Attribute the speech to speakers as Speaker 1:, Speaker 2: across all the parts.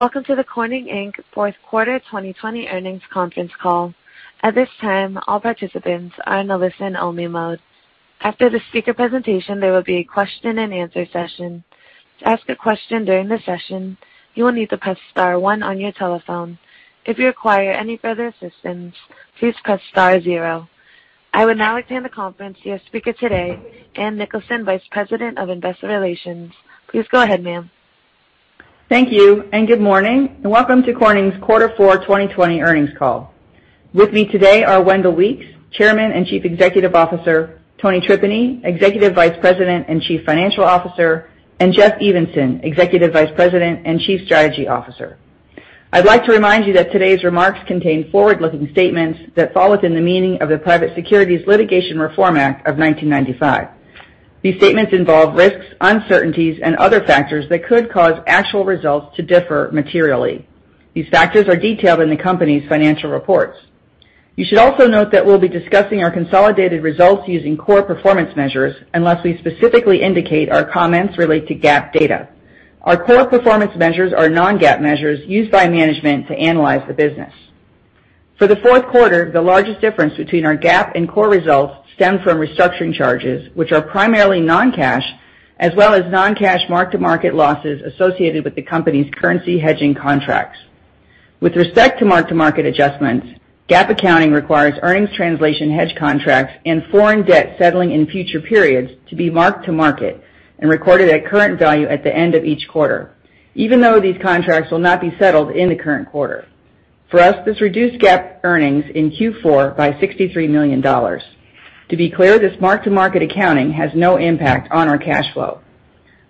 Speaker 1: Welcome to the Corning Inc. fourth quarter 2020 earnings conference call. At this time, all participants are in a listen-only mode. After the speaker presentation, there will be a question-and-answer session. To ask a question during the session, you will need to press star one on your telephone. If you require any further assistance, please press star zero. I would now hand the conference to your speaker today, Ann Nicholson, Vice President of Investor Relations. Please go ahead, ma'am.
Speaker 2: Thank you. Good morning, and welcome to Corning's Q4 2020 earnings call. With me today are Wendell Weeks, Chairman and Chief Executive Officer, Tony Tripeny, Executive Vice President and Chief Financial Officer, and Jeff Evenson, Executive Vice President and Chief Strategy Officer. I'd like to remind you that today's remarks contain forward-looking statements that fall within the meaning of the Private Securities Litigation Reform Act of 1995. These statements involve risks, uncertainties, and other factors that could cause actual results to differ materially. These factors are detailed in the company's financial reports. You should also note that we'll be discussing our consolidated results using core performance measures, unless we specifically indicate our comments relate to GAAP data. Our core performance measures are non-GAAP measures used by management to analyze the business. For the fourth quarter, the largest difference between our GAAP and core results stem from restructuring charges, which are primarily non-cash, as well as non-cash mark-to-market losses associated with the company's currency hedging contracts. With respect to mark-to-market adjustments, GAAP accounting requires earnings translation hedge contracts and foreign debt settling in future periods to be marked to market and recorded at current value at the end of each quarter, even though these contracts will not be settled in the current quarter. For us, this reduced GAAP earnings in Q4 by $63 million. To be clear, this mark-to-market accounting has no impact on our cash flow.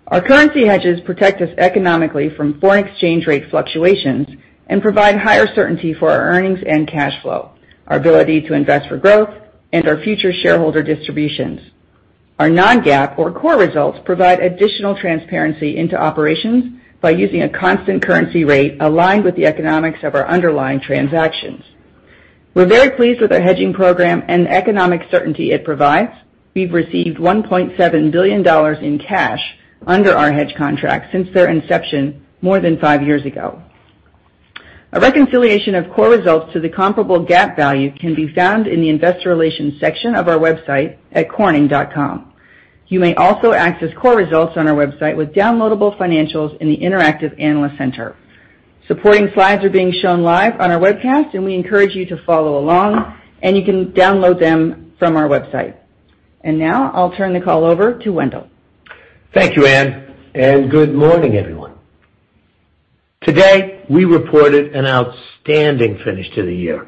Speaker 2: Our currency hedges protect us economically from foreign exchange rate fluctuations and provide higher certainty for our earnings and cash flow, our ability to invest for growth, and our future shareholder distributions. Our non-GAAP or core results provide additional transparency into operations by using a constant currency rate aligned with the economics of our underlying transactions. We're very pleased with our hedging program and the economic certainty it provides. We've received $1.7 billion in cash under our hedge contract since their inception more than five years ago. A reconciliation of core results to the comparable GAAP value can be found in the investor relations section of our website at corning.com. You may also access core results on our website with downloadable financials in the interactive analyst center. Supporting slides are being shown live on our webcast, and we encourage you to follow along, and you can download them from our website. Now I'll turn the call over to Wendell.
Speaker 3: Thank you, Ann, good morning, everyone. Today, we reported an outstanding finish to the year.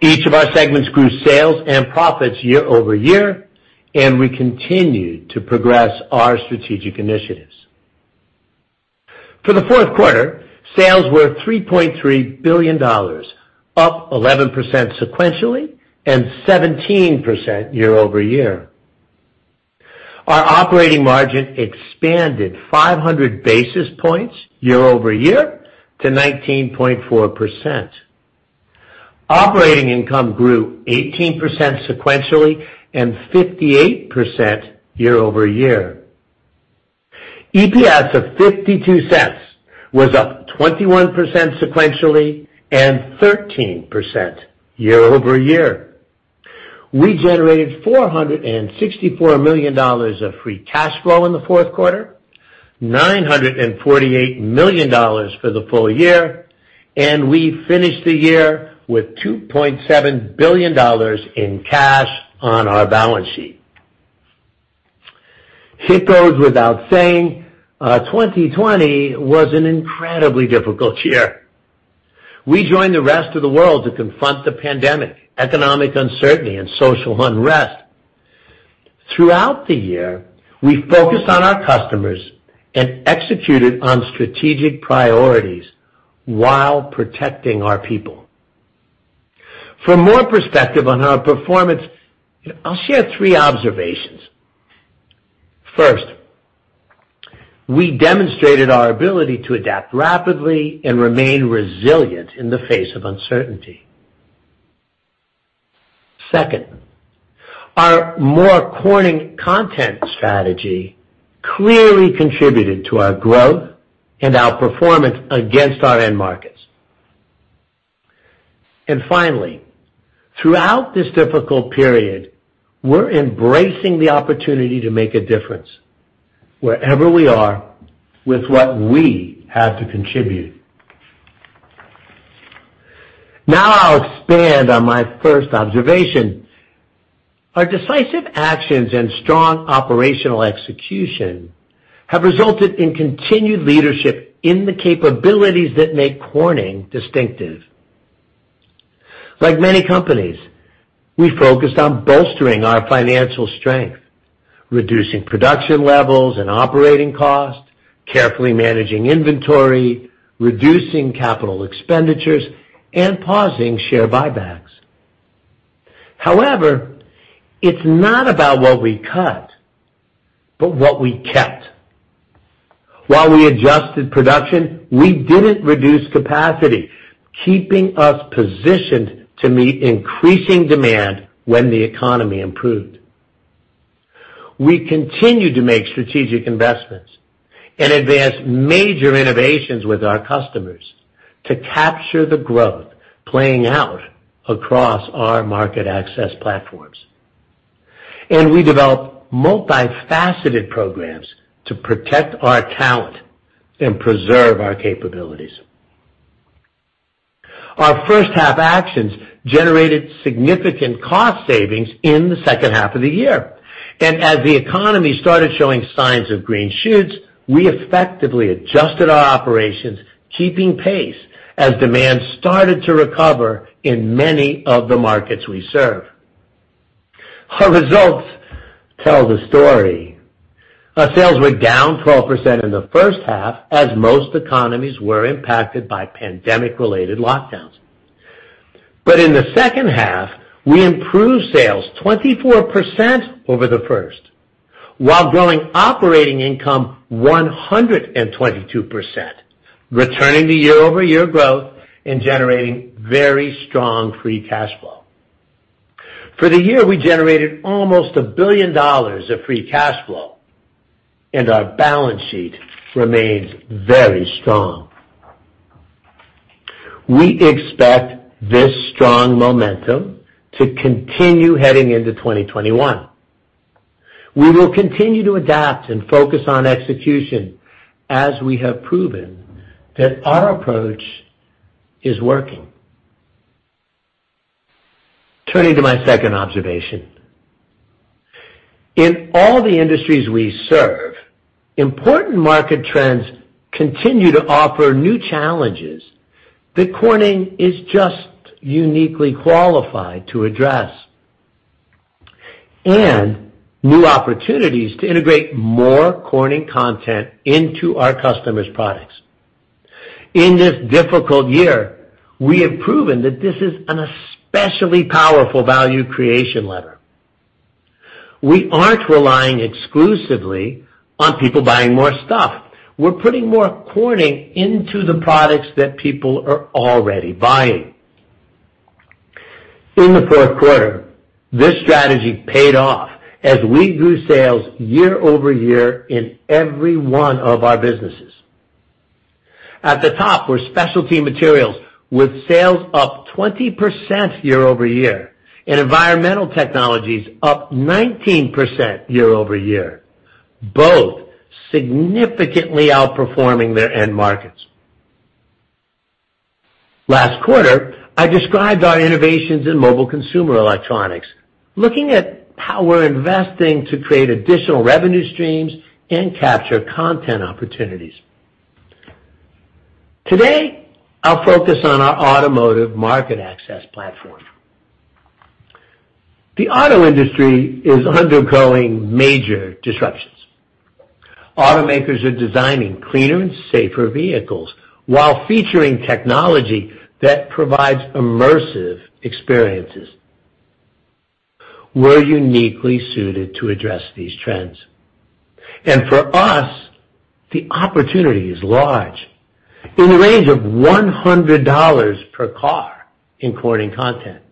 Speaker 3: Each of our segments grew sales and profits year-over-year, and we continued to progress our strategic initiatives. For the fourth quarter, sales were $3.3 billion, up 11% sequentially and 17% year-over-year. Our operating margin expanded 500 basis points year-over-year to 19.4%. Operating income grew 18% sequentially and 58% year-over-year. EPS of $0.52 was up 21% sequentially and 13% year-over-year. We generated $464 million of free cash flow in the fourth quarter, $948 million for the full year, and we finished the year with $2.7 billion in cash on our balance sheet. It goes without saying, 2020 was an incredibly difficult year. We joined the rest of the world to confront the pandemic, economic uncertainty, and social unrest. Throughout the year, we focused on our customers and executed on strategic priorities while protecting our people. For more perspective on our performance, I'll share three observations. First, we demonstrated our ability to adapt rapidly and remain resilient in the face of uncertainty. Second, our More Corning content strategy clearly contributed to our growth and our performance against our end markets. Finally, throughout this difficult period, we're embracing the opportunity to make a difference wherever we are with what we have to contribute. I'll expand on my first observation. Our decisive actions and strong operational execution have resulted in continued leadership in the capabilities that make Corning distinctive. Like many companies, we focused on bolstering our financial strength, reducing production levels and operating costs, carefully managing inventory, reducing capital expenditures, and pausing share buybacks. It's not about what we cut, but what we kept. While we adjusted production, we didn't reduce capacity, keeping us positioned to meet increasing demand when the economy improved. We continued to make strategic investments and advanced major innovations with our customers to capture the growth playing out across our market access platforms. We developed multifaceted programs to protect our talent and preserve our capabilities. Our first-half actions generated significant cost savings in the second half of the year. As the economy started showing signs of green shoots, we effectively adjusted our operations, keeping pace as demand started to recover in many of the markets we serve. Our results tell the story. Our sales were down 12% in the first half as most economies were impacted by pandemic-related lockdowns. In the second half, we improved sales 24% over the first, while growing operating income 122%, returning to year-over-year growth and generating very strong free cash flow. For the year, we generated almost $1 billion of free cash flow, and our balance sheet remains very strong. We expect this strong momentum to continue heading into 2021. We will continue to adapt and focus on execution as we have proven that our approach is working. Turning to my second observation. In all the industries we serve, important market trends continue to offer new challenges that Corning is just uniquely qualified to address, and new opportunities to integrate More Corning content into our customers' products. In this difficult year, we have proven that this is an especially powerful value creation lever. We aren't relying exclusively on people buying more stuff. We're putting more Corning into the products that people are already buying. In the fourth quarter, this strategy paid off as we grew sales year-over-year in every one of our businesses. At the top were Specialty Materials with sales up 20% year-over-year, and Environmental Technologies up 19% year-over-year, both significantly outperforming their end markets. Last quarter, I described our innovations in Mobile Consumer Electronics, looking at how we're investing to create additional revenue streams and capture content opportunities. Today, I'll focus on our automotive market access platform. The auto industry is undergoing major disruptions. Automakers are designing cleaner and safer vehicles while featuring technology that provides immersive experiences. We're uniquely suited to address these trends. For us, the opportunity is large, in the range of $100 per car in Corning content.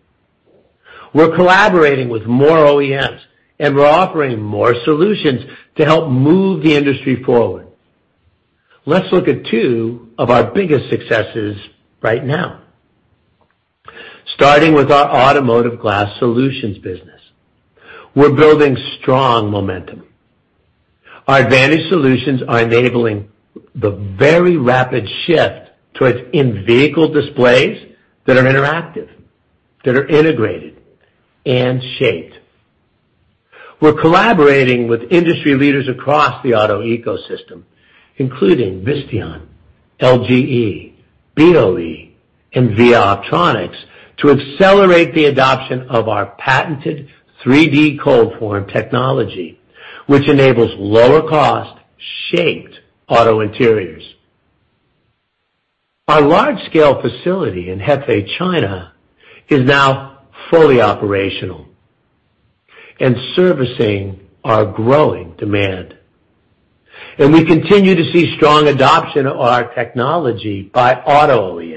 Speaker 3: We're collaborating with more OEMs, and we're offering more solutions to help move the industry forward. Let's look at two of our biggest successes right now. Starting with our automotive glass solutions business. We're building strong momentum. Our advantaged solutions are enabling the very rapid shift towards in-vehicle displays that are interactive, that are integrated, and shaped. We're collaborating with industry leaders across the auto ecosystem, including Visteon, LGE, BOE, and VIA optronics, to accelerate the adoption of our patented 3D ColdForm technology, which enables lower cost, shaped auto interiors. Our large-scale facility in Hefei, China is now fully operational and servicing our growing demand, and we continue to see strong adoption of our technology by auto OEMs.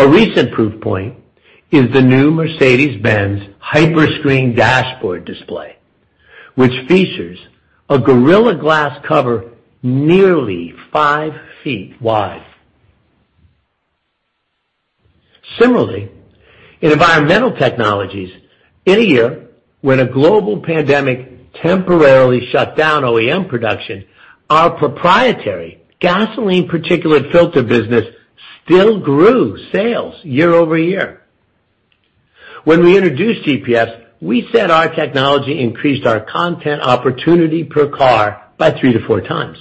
Speaker 3: A recent proof point is the new Mercedes-Benz Hyperscreen dashboard display, which features a Gorilla Glass cover nearly five feet wide. Similarly, in Environmental Technologies, in a year when a global pandemic temporarily shut down OEM production, our proprietary gasoline particulate filter business still grew sales year-over-year. When we introduced GPF, we said our technology increased our content opportunity per car by three to four times.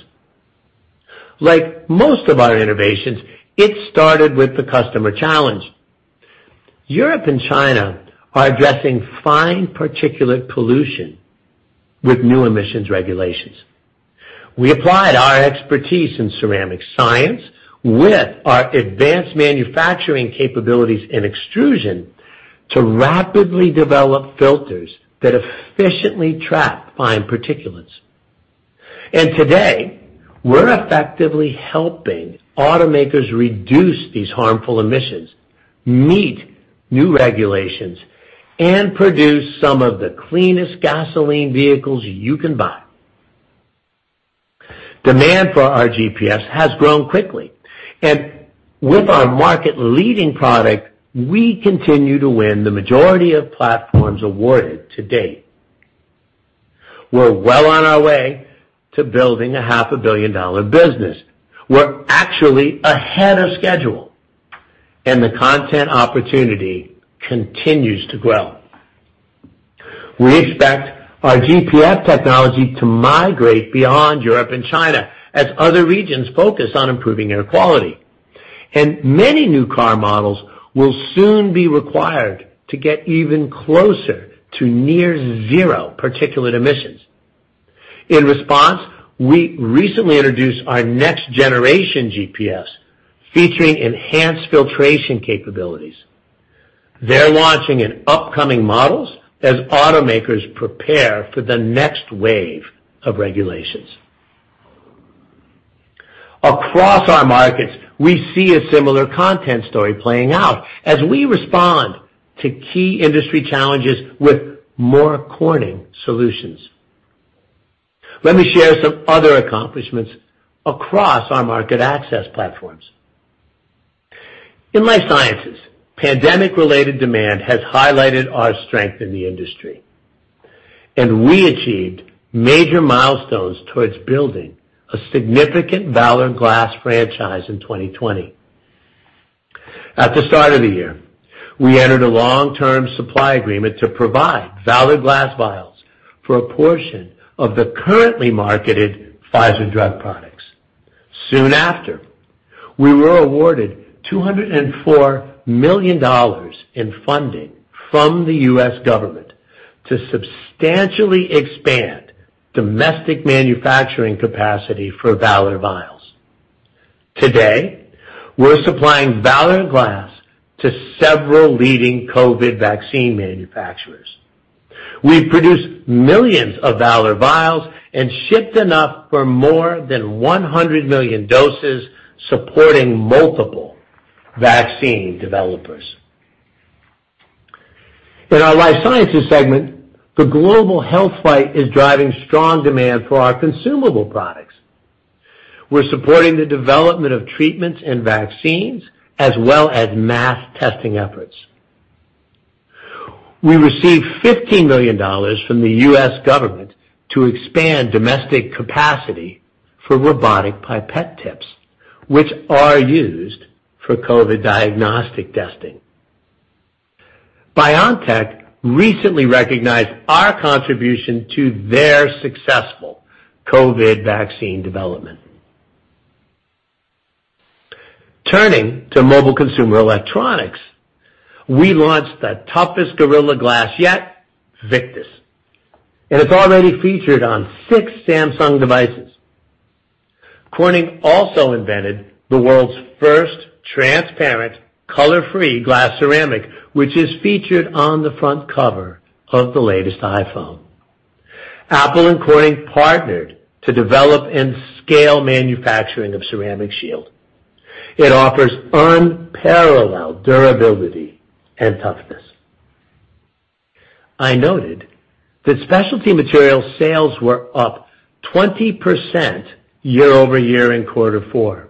Speaker 3: Like most of our innovations, it started with the customer challenge. Europe and China are addressing fine particulate pollution with new emissions regulations. We applied our expertise in ceramic science with our advanced manufacturing capabilities in extrusion to rapidly develop filters that efficiently trap fine particulates. Today, we're effectively helping automakers reduce these harmful emissions, meet new regulations, and produce some of the cleanest gasoline vehicles you can buy. Demand for our GPF has grown quickly, and with our market-leading product, we continue to win the majority of platforms awarded to date. We're well on our way to building a half a billion-dollar business. We're actually ahead of schedule, and the content opportunity continues to grow. We expect our GPF technology to migrate beyond Europe and China as other regions focus on improving air quality. Many new car models will soon be required to get even closer to near zero particulate emissions. In response, we recently introduced our next generation GPF, featuring enhanced filtration capabilities. They're launching in upcoming models as automakers prepare for the next wave of regulations. Across our markets, we see a similar content story playing out as we respond to key industry challenges with More Corning solutions. Let me share some other accomplishments across our market access platforms. In Life Sciences, pandemic-related demand has highlighted our strength in the industry, and we achieved major milestones towards building a significant Valor Glass franchise in 2020. At the start of the year, we entered a long-term supply agreement to provide Valor Glass vials for a portion of the currently marketed Pfizer drug products. Soon after, we were awarded $204 million in funding from the U.S. government to substantially expand domestic manufacturing capacity for Valor vials. Today, we're supplying Valor Glass to several leading COVID vaccine manufacturers. We've produced millions of Valor vials and shipped enough for more than 100 million doses, supporting multiple vaccine developers. In our Life Sciences segment, the global health fight is driving strong demand for our consumable products. We're supporting the development of treatments and vaccines as well as mass testing efforts. We received $15 million from the U.S. government to expand domestic capacity for robotic pipette tips, which are used for COVID diagnostic testing. BioNTech recently recognized our contribution to their successful COVID vaccine development. Turning to Mobile Consumer Electronics, we launched the toughest Gorilla Glass yet, Victus, and it's already featured on six Samsung devices. Corning also invented the world's first transparent color-free glass ceramic, which is featured on the front cover of the latest iPhone. Apple and Corning partnered to develop and scale manufacturing of Ceramic Shield. It offers unparalleled durability and toughness. I noted that Specialty Materials sales were up 20% year-over-year in quarter four.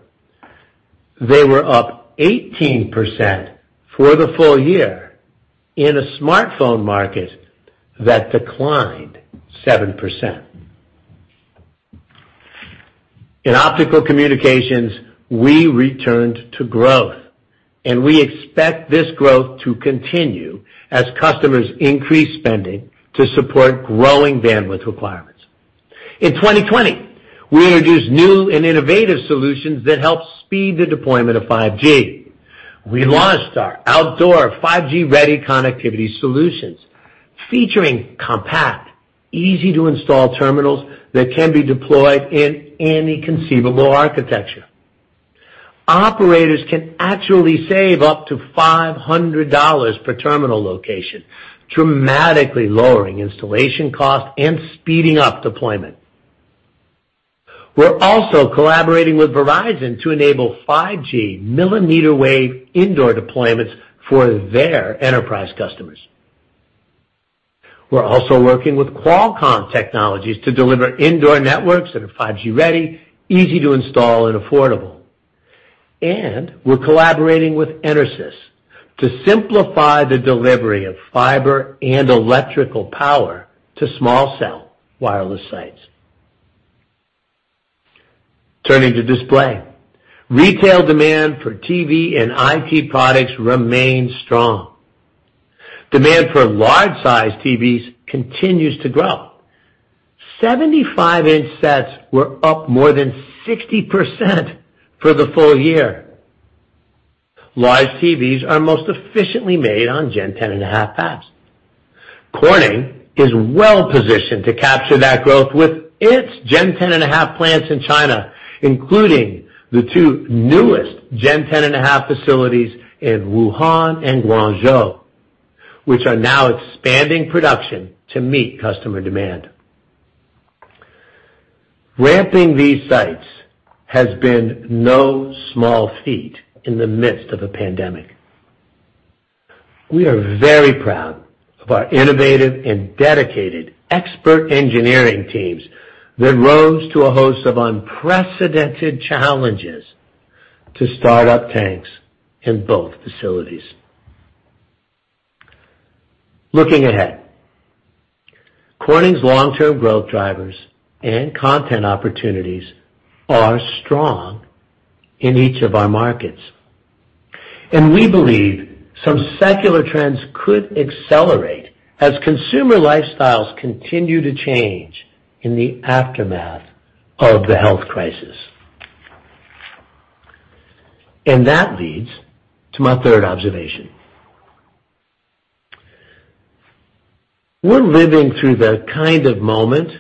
Speaker 3: They were up 18% for the full year in a smartphone market that declined 7%. In Optical Communications, we returned to growth, and we expect this growth to continue as customers increase spending to support growing bandwidth requirements. In 2020, we introduced new and innovative solutions that help speed the deployment of 5G. We launched our outdoor 5G-ready connectivity solutions featuring compact, easy-to-install terminals that can be deployed in any conceivable architecture. Operators can actually save up to $500 per terminal location, dramatically lowering installation cost and speeding up deployment. We're also collaborating with Verizon to enable 5G millimeter wave indoor deployments for their enterprise customers. We're also working with Qualcomm Technologies to deliver indoor networks that are 5G ready, easy to install, and affordable. We're collaborating with EnerSys to simplify the delivery of fiber and electrical power to small cell wireless sites. Turning to Display. Retail demand for TV and IT products remains strong. Demand for large-size TVs continues to grow. 75-in sets were up more than 60% for the full year. Large TVs are most efficiently made on Gen 10.5 fabs. Corning is well-positioned to capture that growth with its Gen 10.5 plants in China, including the two newest Gen 10.5 facilities in Wuhan and Guangzhou, which are now expanding production to meet customer demand. Ramping these sites has been no small feat in the midst of a pandemic. We are very proud of our innovative and dedicated expert engineering teams that rose to a host of unprecedented challenges to start up tanks in both facilities. Looking ahead, Corning's long-term growth drivers and content opportunities are strong in each of our markets, and we believe some secular trends could accelerate as consumer lifestyles continue to change in the aftermath of the health crisis. That leads to my third observation. We're living through the kind of moment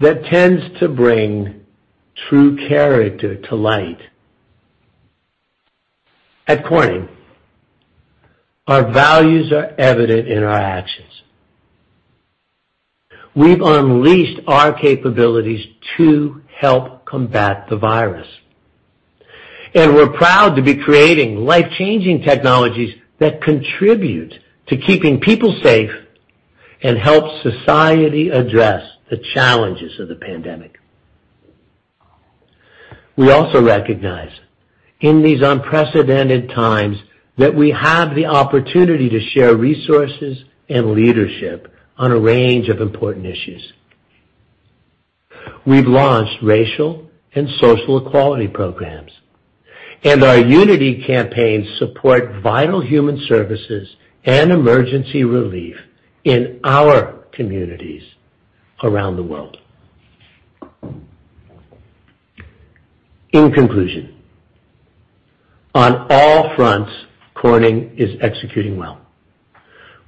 Speaker 3: that tends to bring true character to light. At Corning, our values are evident in our actions. We've unleashed our capabilities to help combat the virus, and we're proud to be creating life-changing technologies that contribute to keeping people safe and help society address the challenges of the pandemic. We also recognize in these unprecedented times that we have the opportunity to share resources and leadership on a range of important issues. We've launched racial and social equality programs. Our unity campaigns support vital human services and emergency relief in our communities around the world. In conclusion, on all fronts, Corning is executing well.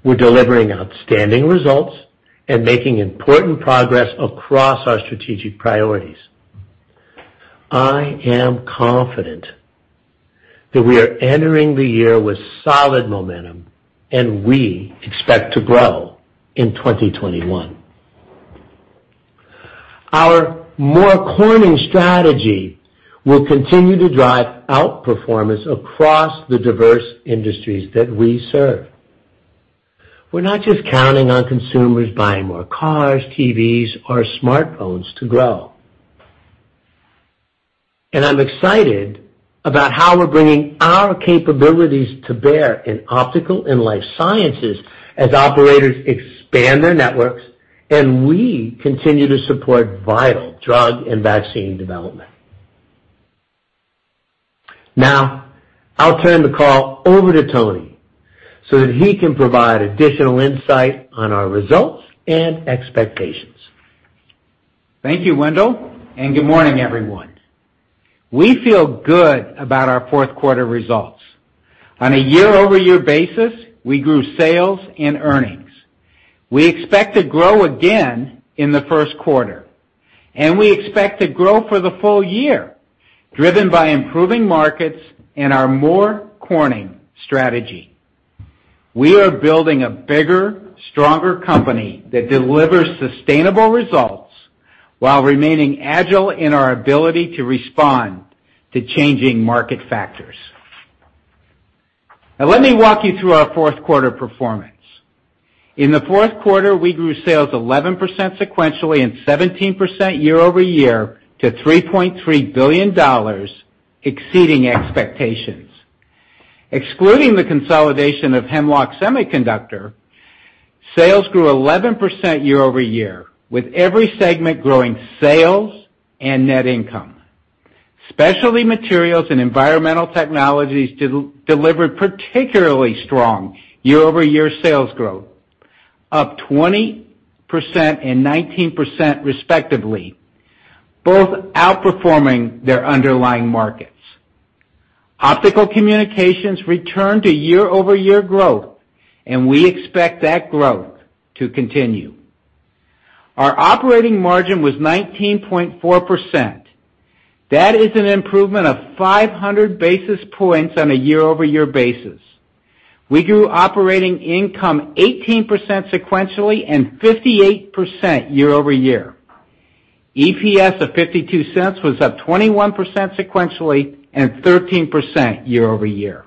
Speaker 3: We're delivering outstanding results and making important progress across our strategic priorities. I am confident that we are entering the year with solid momentum, and we expect to grow in 2021. Our More Corning strategy will continue to drive outperformance across the diverse industries that we serve. We're not just counting on consumers buying more cars, TVs, or smartphones to grow. I'm excited about how we're bringing our capabilities to bear in optical and Life Sciences as operators expand their networks, and we continue to support vital drug and vaccine development. Now, I'll turn the call over to Tony so that he can provide additional insight on our results and expectations.
Speaker 4: Thank you, Wendell, good morning, everyone. We feel good about our fourth quarter results. On a year-over-year basis, we grew sales and earnings. We expect to grow again in the first quarter. We expect to grow for the full year, driven by improving markets and our More Corning strategy. We are building a bigger, stronger company that delivers sustainable results while remaining agile in our ability to respond to changing market factors. Let me walk you through our fourth quarter performance. In the fourth quarter, we grew sales 11% sequentially and 17% year-over-year to $3.3 billion, exceeding expectations. Excluding the consolidation of Hemlock Semiconductor, sales grew 11% year-over-year, with every segment growing sales and net income. Specialty Materials and Environmental Technologies delivered particularly strong year-over-year sales growth, up 20% and 19% respectively, both outperforming their underlying markets. Optical Communications returned to year-over-year growth. We expect that growth to continue. Our operating margin was 19.4%. That is an improvement of 500 basis points on a year-over-year basis. We grew operating income 18% sequentially and 58% year-over-year. EPS of $0.52 was up 21% sequentially and 13% year-over-year.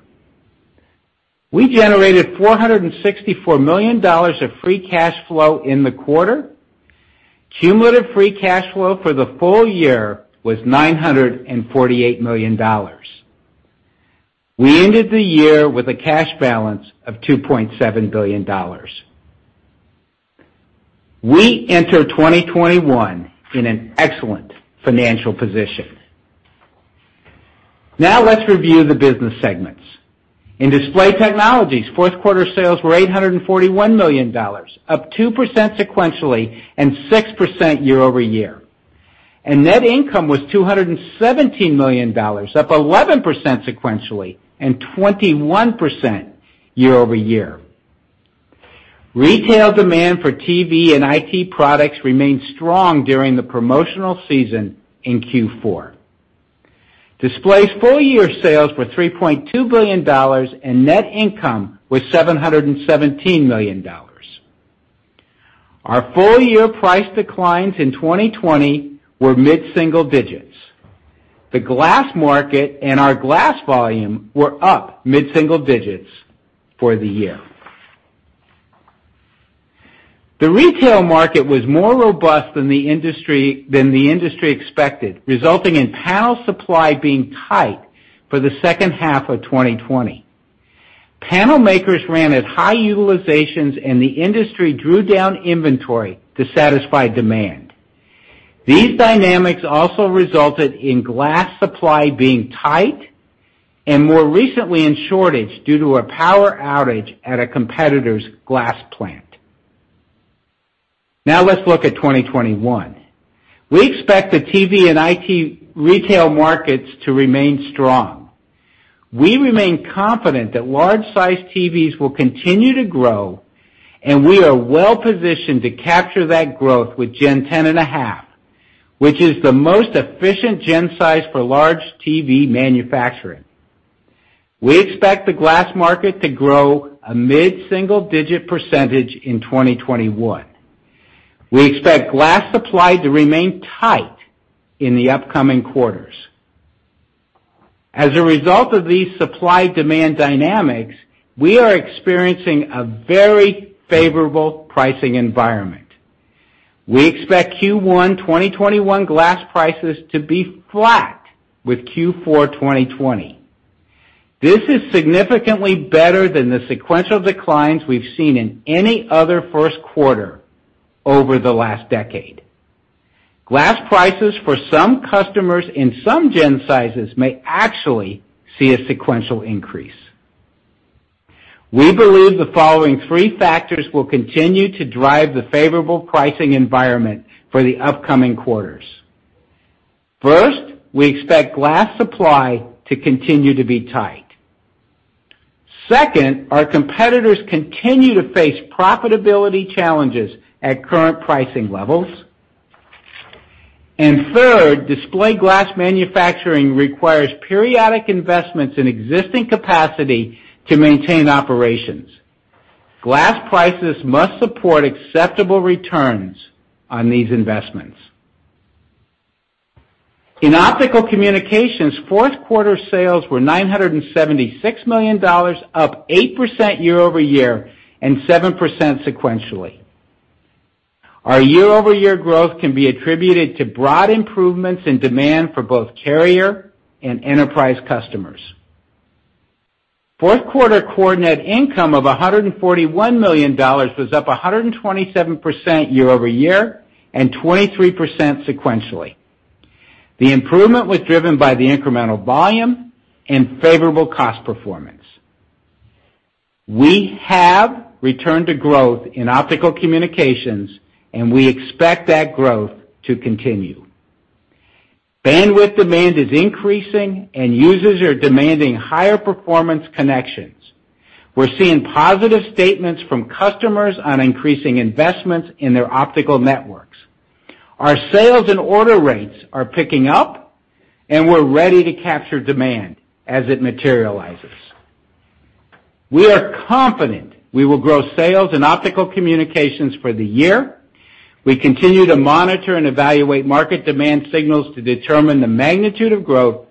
Speaker 4: We generated $464 million of free cash flow in the quarter. Cumulative free cash flow for the full year was $948 million. We ended the year with a cash balance of $2.7 billion. We enter 2021 in an excellent financial position. Now let's review the business segments. In Display Technologies, fourth quarter sales were $841 million, up 2% sequentially and 6% year-over-year. Net income was $217 million, up 11% sequentially and 21% year-over-year. Retail demand for TV and IT products remained strong during the promotional season in Q4. Display's full year sales were $3.2 billion. Net income was $717 million. Our full year price declines in 2020 were mid-single digits. The glass market and our glass volume were up mid-single digits for the year. The retail market was more robust than the industry expected, resulting in panel supply being tight for the second half of 2020. Panel makers ran at high utilizations, and the industry drew down inventory to satisfy demand. These dynamics also resulted in glass supply being tight, and more recently, in shortage due to a power outage at a competitor's glass plant. Now let's look at 2021. We expect the TV and IT retail markets to remain strong. We remain confident that large-sized TVs will continue to grow, and we are well-positioned to capture that growth with Gen 10.5, which is the most efficient gen size for large TV manufacturing. We expect the glass market to grow a mid-single digit percentage in 2021. We expect glass supply to remain tight in the upcoming quarters. As a result of these supply-demand dynamics, we are experiencing a very favorable pricing environment. We expect Q1 2021 glass prices to be flat with Q4 2020. This is significantly better than the sequential declines we've seen in any other first quarter over the last decade. Glass prices for some customers in some gen sizes may actually see a sequential increase. We believe the following three factors will continue to drive the favorable pricing environment for the upcoming quarters. First, we expect glass supply to continue to be tight. Second, our competitors continue to face profitability challenges at current pricing levels. Third, display glass manufacturing requires periodic investments in existing capacity to maintain operations. Glass prices must support acceptable returns on these investments. In Optical Communications, fourth quarter sales were $976 million, up 8% year-over-year and 7% sequentially. Our year-over-year growth can be attributed to broad improvements in demand for both carrier and enterprise customers. Fourth quarter core net income of $141 million was up 127% year-over-year and 23% sequentially. The improvement was driven by the incremental volume and favorable cost performance. We have returned to growth in Optical Communications. We expect that growth to continue. Bandwidth demand is increasing. Users are demanding higher performance connections. We're seeing positive statements from customers on increasing investments in their optical networks. Our sales and order rates are picking up, and we're ready to capture demand as it materializes. We are confident we will grow sales in Optical Communications for the year. We continue to monitor and evaluate market demand signals to determine the magnitude of growth,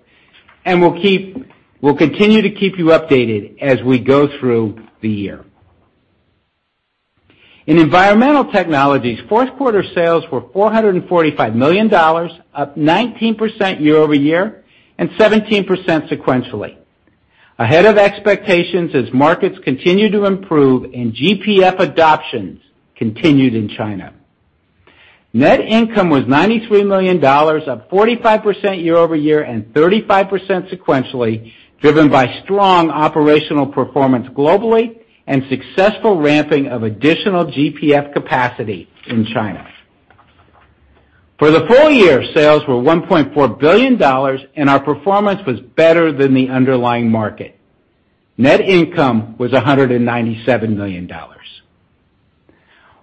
Speaker 4: and we'll continue to keep you updated as we go through the year. In Environmental Technologies, Q4 sales were $445 million, up 19% year-over-year and 17% sequentially. Ahead of expectations as markets continue to improve and GPF adoptions continued in China. Net income was $93 million, up 45% year-over-year and 35% sequentially, driven by strong operational performance globally and successful ramping of additional GPF capacity in China. For the full year, sales were $1.4 billion, and our performance was better than the underlying market. Net income was $197 million.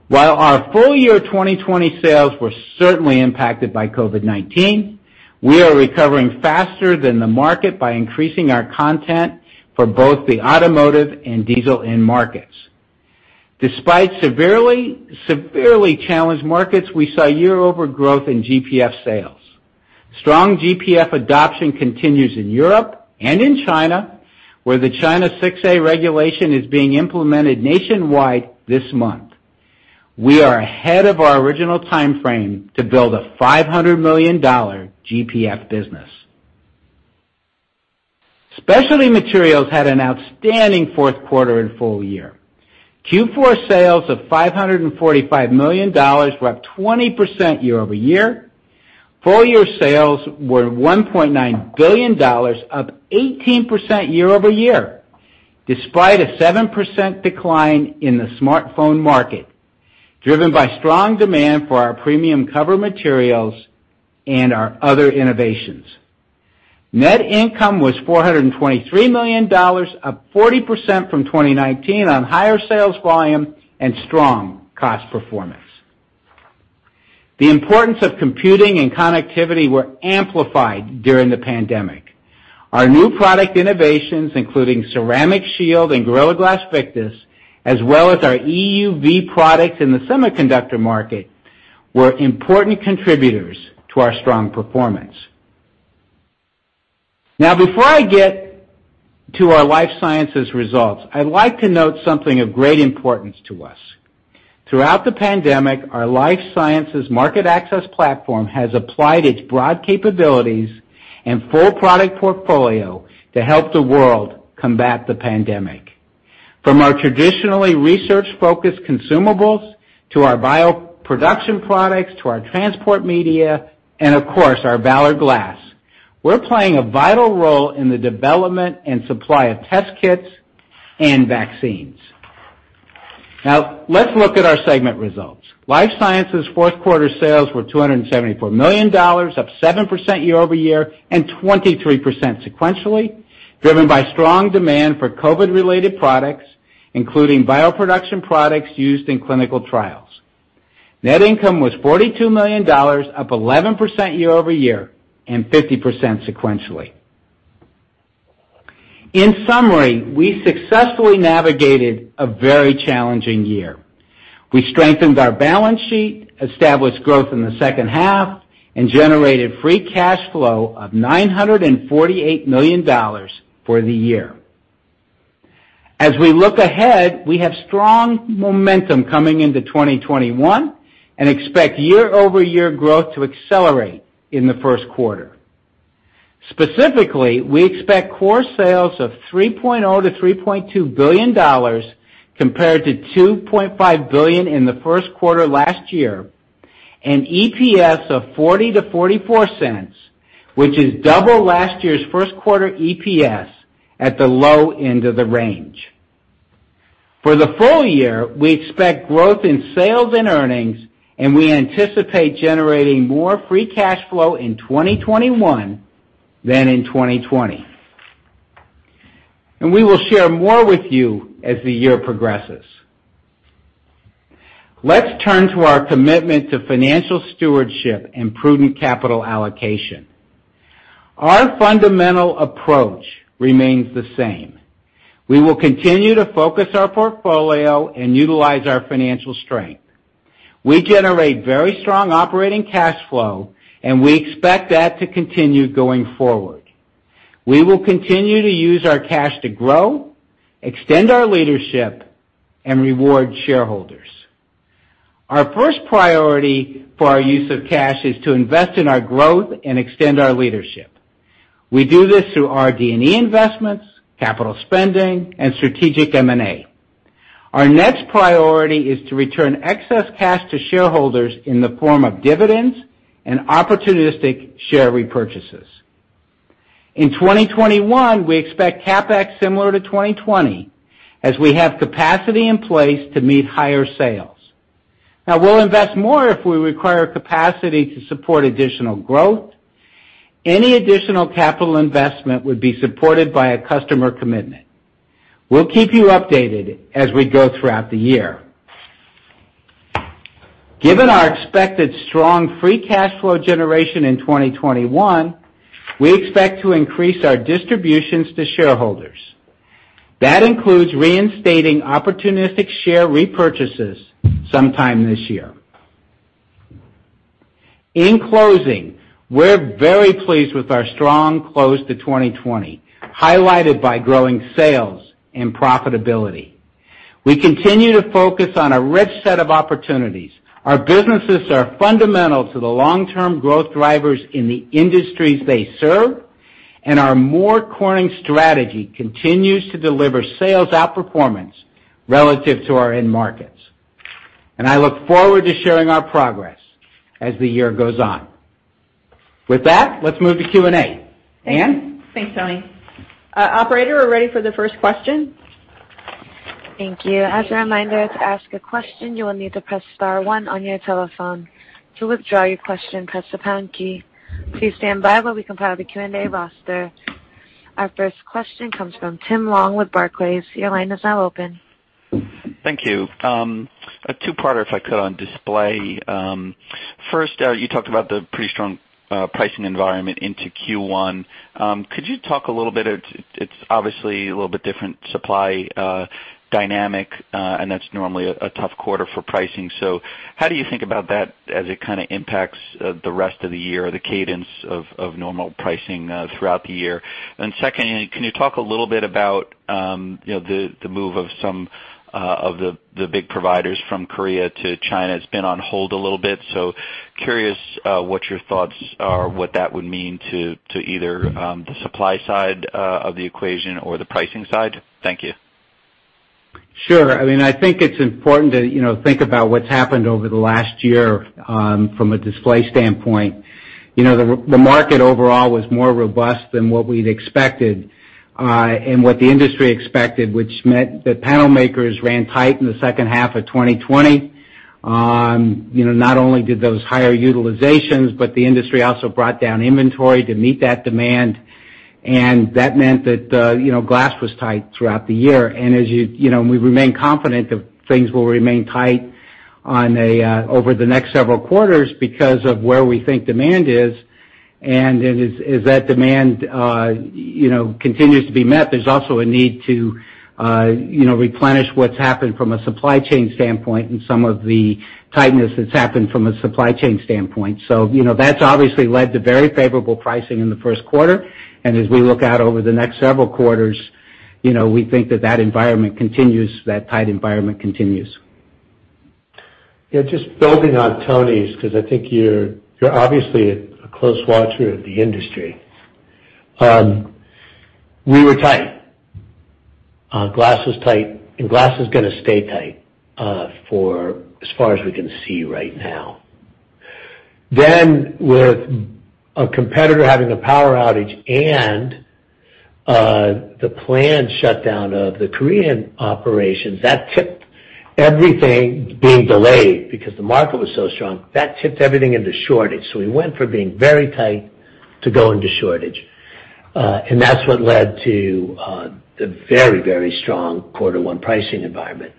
Speaker 4: While our full year 2020 sales were certainly impacted by COVID-19, we are recovering faster than the market by increasing our content for both the automotive and diesel end markets. Despite severely challenged markets, we saw year-over-year growth in GPF sales. Strong GPF adoption continues in Europe and in China, where the China 6a regulation is being implemented nationwide this month. We are ahead of our original timeframe to build a $500 million GPF business. Specialty Materials had an outstanding fourth quarter and full year. Q4 sales of $545 million were up 20% year-over-year. Full year sales were $1.9 billion, up 18% year-over-year, despite a 7% decline in the smartphone market, driven by strong demand for our premium cover materials and our other innovations. Net income was $423 million, up 40% from 2019 on higher sales volume and strong cost performance. The importance of computing and connectivity were amplified during the pandemic. Our new product innovations, including Ceramic Shield and Gorilla Glass Victus, as well as our EUV products in the semiconductor market, were important contributors to our strong performance. Now, before I get to our Life Sciences results, I'd like to note something of great importance to us. Throughout the pandemic, our Life Sciences market access platform has applied its broad capabilities and full product portfolio to help the world combat the pandemic. From our traditionally research-focused consumables to our bioproduction products to our transport media and, of course, our Valor Glass, we're playing a vital role in the development and supply of test kits and vaccines. Now, let's look at our segment results. Life Sciences' fourth quarter sales were $274 million, up 7% year-over-year and 23% sequentially, driven by strong demand for COVID-related products, including bioproduction products used in clinical trials. Net income was $42 million, up 11% year-over-year and 50% sequentially. In summary, we successfully navigated a very challenging year. We strengthened our balance sheet, established growth in the second half, and generated free cash flow of $948 million for the year. As we look ahead, we have strong momentum coming into 2021 and expect year-over-year growth to accelerate in the first quarter. Specifically, we expect core sales of $3.0 billion-$3.2 billion, compared to $2.5 billion in the first quarter last year, and EPS of $0.40-$0.44, which is double last year's first quarter EPS at the low end of the range. For the full year, we expect growth in sales and earnings. We anticipate generating more free cash flow in 2021 than in 2020. We will share more with you as the year progresses. Let's turn to our commitment to financial stewardship and prudent capital allocation. Our fundamental approach remains the same. We will continue to focus our portfolio and utilize our financial strength. We generate very strong operating cash flow. We expect that to continue going forward. We will continue to use our cash to grow, extend our leadership, and reward shareholders. Our first priority for our use of cash is to invest in our growth and extend our leadership. We do this through RD&E investments, capital spending, and strategic M&A. Our next priority is to return excess cash to shareholders in the form of dividends and opportunistic share repurchases. In 2021, we expect CapEx similar to 2020, as we have capacity in place to meet higher sales. We'll invest more if we require capacity to support additional growth. Any additional capital investment would be supported by a customer commitment. We'll keep you updated as we go throughout the year. Given our expected strong free cash flow generation in 2021, we expect to increase our distributions to shareholders. That includes reinstating opportunistic share repurchases sometime this year. In closing, we're very pleased with our strong close to 2020, highlighted by growing sales and profitability. We continue to focus on a rich set of opportunities. Our businesses are fundamental to the long-term growth drivers in the industries they serve, our More Corning strategy continues to deliver sales outperformance relative to our end markets. I look forward to sharing our progress as the year goes on. With that, let's move to Q&A. Ann?
Speaker 2: Thanks, Tony. Operator, we're ready for the first question.
Speaker 1: Thank you. As a reminder, to ask a question, you will need to press star one on your telephone. To withdraw your question, press the pound key. Please stand by while we compile the Q&A roster. Our first question comes from Tim Long with Barclays. Your line is now open.
Speaker 5: Thank you. A two-parter, if I could, on display. First, you talked about the pretty strong pricing environment into Q1. Could you talk a little bit, it's obviously a little bit different supply dynamic, and that's normally a tough quarter for pricing. How do you think about that as it kinda impacts the rest of the year, the cadence of normal pricing throughout the year? Secondly, can you talk a little bit about, you know, the move of some of the big providers from Korea to China? It's been on hold a little bit, curious what your thoughts are, what that would mean to either the supply side of the equation or the pricing side? Thank you.
Speaker 4: Sure. I mean, I think it's important to, you know, think about what's happened over the last year from a display standpoint. The market overall was more robust than what we'd expected and what the industry expected, which meant that panel makers ran tight in the second half of 2020. Not only did those higher utilizations, but the industry also brought down inventory to meet that demand. That meant that glass was tight throughout the year. We remain confident that things will remain tight over the next several quarters because of where we think demand is. As that demand continues to be met, there's also a need to replenish what's happened from a supply chain standpoint and some of the tightness that's happened from a supply chain standpoint. That's obviously led to very favorable pricing in the first quarter. As we look out over the next several quarters, we think that that tight environment continues.
Speaker 3: Yeah. Just building on Tony's, because I think you're obviously a close watcher of the industry. We were tight. Glass was tight, and glass is going to stay tight for as far as we can see right now. With a competitor having a power outage and the planned shutdown of the Korean operations, that tipped everything being delayed because the market was so strong. That tipped everything into shortage. We went from being very tight to going to shortage. That's what led to the very strong quarter one pricing environment.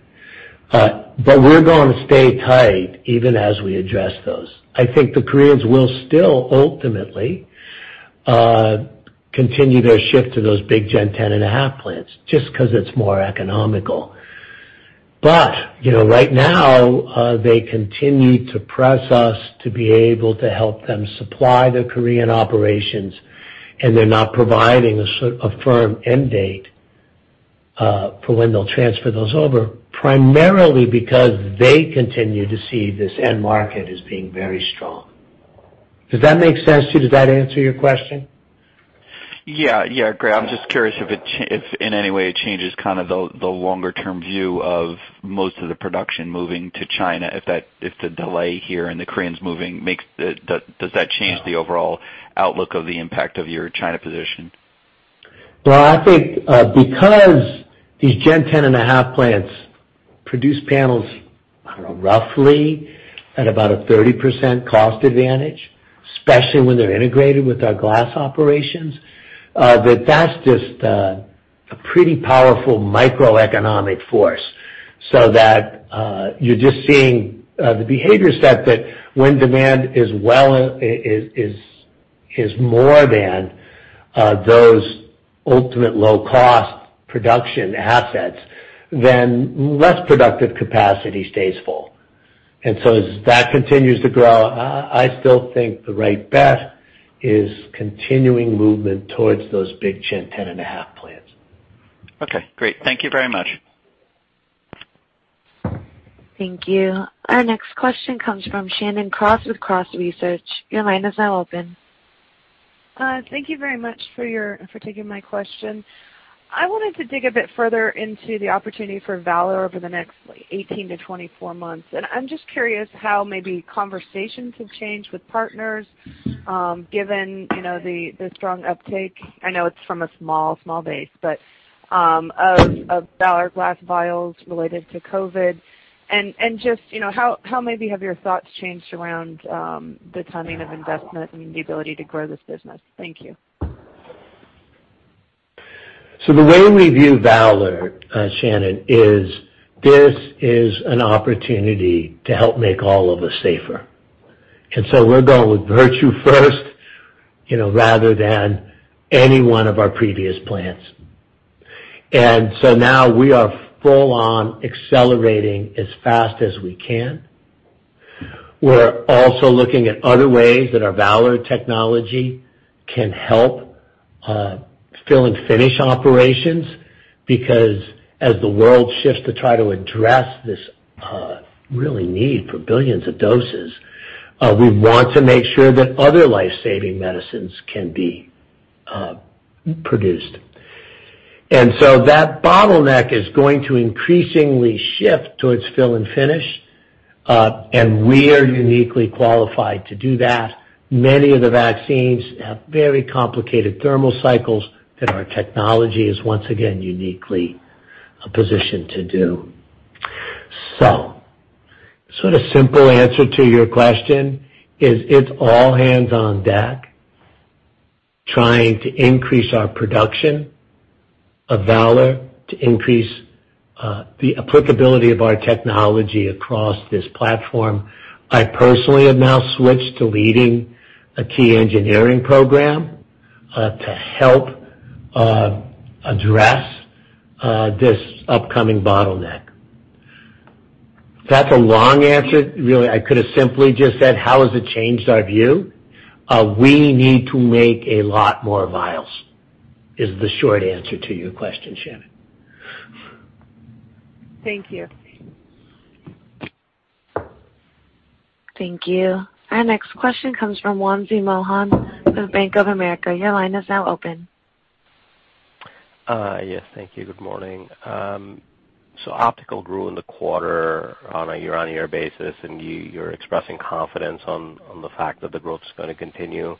Speaker 3: We're going to stay tight even as we address those. I think the Koreans will still ultimately continue their shift to those big Gen 10.5 plants, just because it's more economical. Right now, they continue to press us to be able to help them supply their Korean operations. They're not providing a firm end date for when they'll transfer those over, primarily because they continue to see this end market as being very strong. Does that make sense to you? Does that answer your question?
Speaker 5: Yeah. I'm just curious if in any way it changes the longer-term view of most of the production moving to China, if the delay here in the Koreans moving, does that change the overall outlook of the impact of your China position?
Speaker 3: Well, I think because these Gen 10.5 plants produce panels, I don't know, roughly at about a 30% cost advantage, especially when they're integrated with our glass operations, that's just a pretty powerful microeconomic force. You're just seeing the behavior set that when demand is more than those ultimate low-cost production assets, then less productive capacity stays full. As that continues to grow, I still think the right bet is continuing movement towards those big Gen 10.5 plants.
Speaker 5: Okay, great. Thank you very much.
Speaker 1: Thank you. Our next question comes from Shannon Cross with Cross Research. Your line is now open.
Speaker 6: Thank you very much for taking my question. I wanted to dig a bit further into the opportunity for Valor over the next 18 to 24 months. I'm just curious how maybe conversations have changed with partners, given the strong uptake. I know it's from a small base, but of Valor Glass vials related to COVID. Just how maybe have your thoughts changed around the timing of investment and the ability to grow this business? Thank you.
Speaker 3: The way we view Valor, Shannon, is this is an opportunity to help make all of us safer. We're going with virtue first rather than any one of our previous plans. Now we are full on accelerating as fast as we can. We're also looking at other ways that our Valor technology can help fill and finish operations, because as the world shifts to try to address this real need for billions of doses, we want to make sure that other life-saving medicines can be produced. That bottleneck is going to increasingly shift towards fill and finish, and we are uniquely qualified to do that. Many of the vaccines have very complicated thermal cycles that our technology is once again uniquely positioned to do. The simple answer to your question is it's all hands on deck trying to increase our production of Valor, to increase the applicability of our technology across this platform. I personally have now switched to leading a key engineering program to help address this upcoming bottleneck. That's a long answer. I could have simply just said, how has it changed our view? We need to make a lot more vials, is the short answer to your question, Shannon.
Speaker 6: Thank you.
Speaker 1: Thank you. Our next question comes from Wamsi Mohan with Bank of America. Your line is now open.
Speaker 7: Thank you. Good morning. Optical grew in the quarter on a year-on-year basis, and you're expressing confidence on the fact that the growth is going to continue.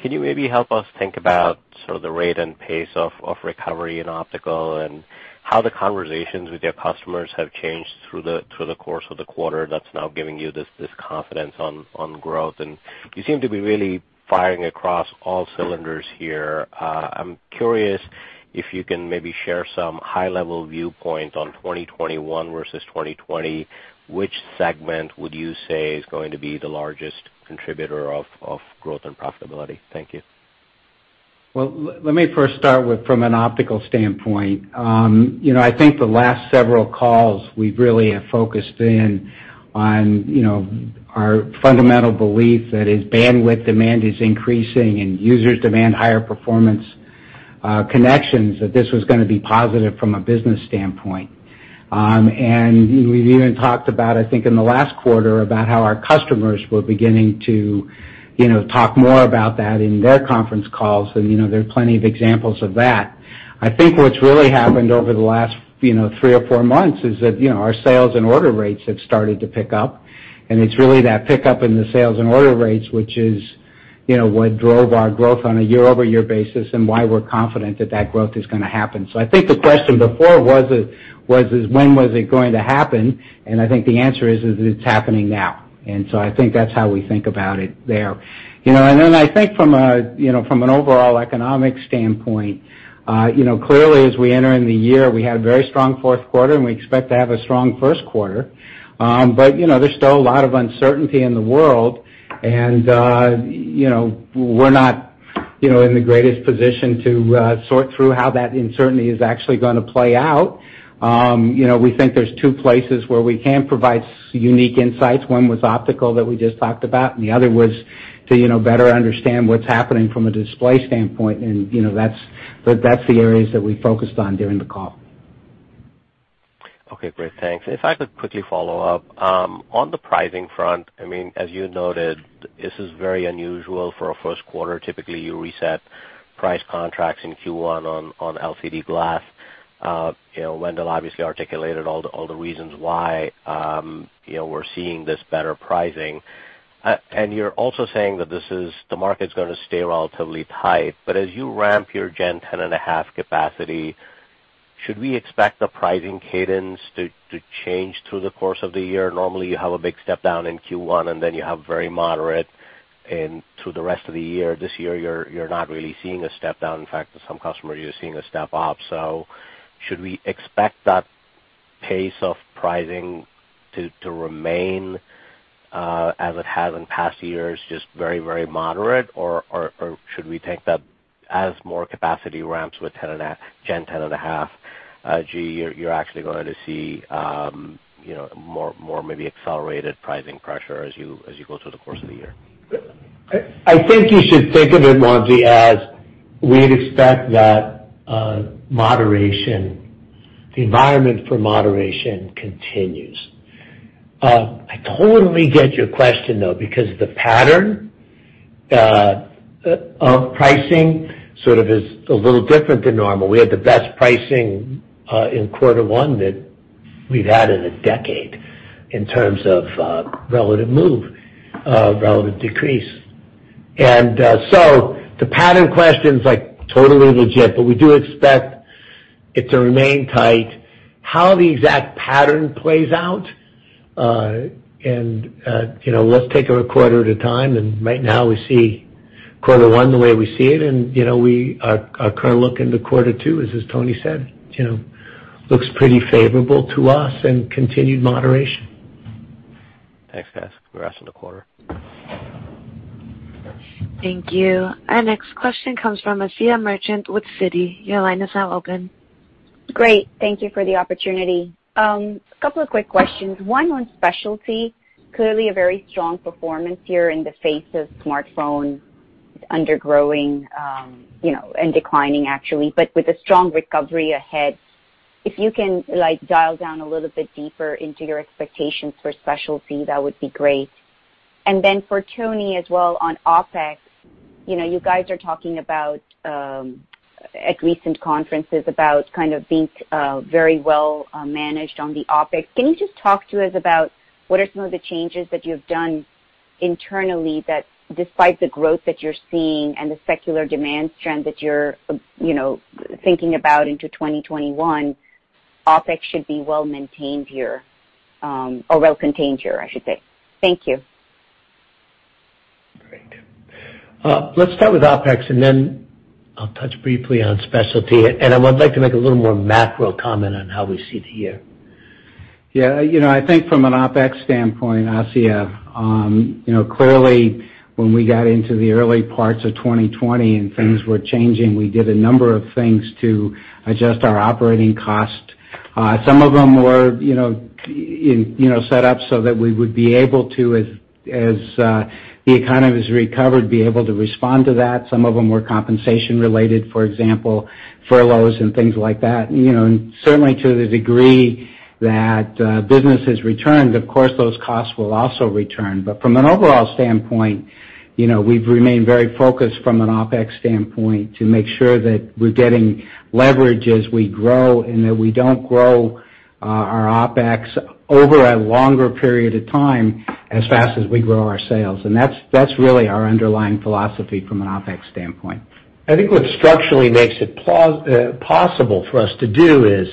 Speaker 7: Can you maybe help us think about sort of the rate and pace of recovery in Optical and how the conversations with your customers have changed through the course of the quarter that's now giving you this confidence on growth. You seem to be really firing across all cylinders here. I'm curious if you can maybe share some high-level viewpoint on 2021 versus 2020. Which segment would you say is going to be the largest contributor of growth and profitability? Thank you.
Speaker 4: Well, let me first start with from an optical standpoint. I think the last several calls, we really have focused in on our fundamental belief that as bandwidth demand is increasing and users demand higher performance connections, that this was going to be positive from a business standpoint. We've even talked about, I think, in the last quarter, about how our customers were beginning to talk more about that in their conference calls. There are plenty of examples of that. I think what's really happened over the last three or four months is that our sales and order rates have started to pick up, and it's really that pickup in the sales and order rates, which is what drove our growth on a year-over-year basis and why we're confident that growth is going to happen. I think the question before was, when was it going to happen? I think the answer is, it's happening now. I think that's how we think about it there. I think from an overall economic standpoint, clearly as we enter in the year, we had a very strong fourth quarter, and we expect to have a strong first quarter. There's still a lot of uncertainty in the world, and we're not in the greatest position to sort through how that uncertainty is actually going to play out. We think there's two places where we can provide unique insights. One was optical, that we just talked about, and the other was to better understand what's happening from a display standpoint. That's the areas that we focused on during the call.
Speaker 7: Okay, great. Thanks. If I could quickly follow up. On the pricing front, as you noted, this is very unusual for a first quarter. Typically, you reset price contracts in Q1 on LCD glass. Wendell obviously articulated all the reasons why we're seeing this better pricing. You're also saying that the market's going to stay relatively tight, but as you ramp your Gen 10.5 capacity, should we expect the pricing cadence to change through the course of the year? Normally, you have a big step down in Q1, and then you have very moderate through the rest of the year. This year, you're not really seeing a step down. In fact, with some customers, you're seeing a step up. Should we expect that pace of pricing to remain as it has in past years, just very moderate? Should we take that as more capacity ramps with Gen 10.5, Gee, you're actually going to see more maybe accelerated pricing pressure as you go through the course of the year?
Speaker 3: I think you should think of it, Wamsi, as we'd expect that the environment for moderation continues. I totally get your question, though, because the pattern of pricing sort of is a little different than normal. We had the best pricing in quarter one that we've had in a decade in terms of relative move, relative decrease. The pattern question's totally legit, but we do expect it to remain tight. How the exact pattern plays out and let's take it a quarter at a time, and right now we see quarter one the way we see it, and our current look into quarter two is, as Tony said, looks pretty favorable to us and continued moderation.
Speaker 7: Thanks, guys. Congrats on the quarter.
Speaker 1: Thank you. Our next question comes from Asiya Merchant with Citi. Your line is now open.
Speaker 8: Great. Thank you for the opportunity. A couple of quick questions. One on Specialty. Clearly a very strong performance here in the face of smartphone undergrowing, and declining actually, but with a strong recovery ahead. If you can dial down a little bit deeper into your expectations for Specialty, that would be great. Then for Tony as well on OpEx, you guys are talking about at recent conferences about kind of being very well managed on the OpEx. Can you just talk to us about what are some of the changes that you've done internally that despite the growth that you're seeing and the secular demand trend that you're thinking about into 2021, OpEx should be well maintained here, or well contained here, I should say. Thank you.
Speaker 3: Great. Let's start with OpEx, then I'll touch briefly on Specialty. I would like to make a little more macro comment on how we see the year.
Speaker 4: Yeah. I think from an OpEx standpoint, Asiya, clearly when we got into the early parts of 2020 and things were changing, we did a number of things to adjust our operating cost. Some of them were set up so that we would be able to, as the economy has recovered, be able to respond to that. Some of them were compensation related, for example, furloughs and things like that. Certainly to the degree that business has returned, of course, those costs will also return. From an overall standpoint, we've remained very focused from an OpEx standpoint to make sure that we're getting leverage as we grow and that we don't grow our OpEx over a longer period of time as fast as we grow our sales. That's really our underlying philosophy from an OpEx standpoint.
Speaker 3: I think what structurally makes it possible for us to do is.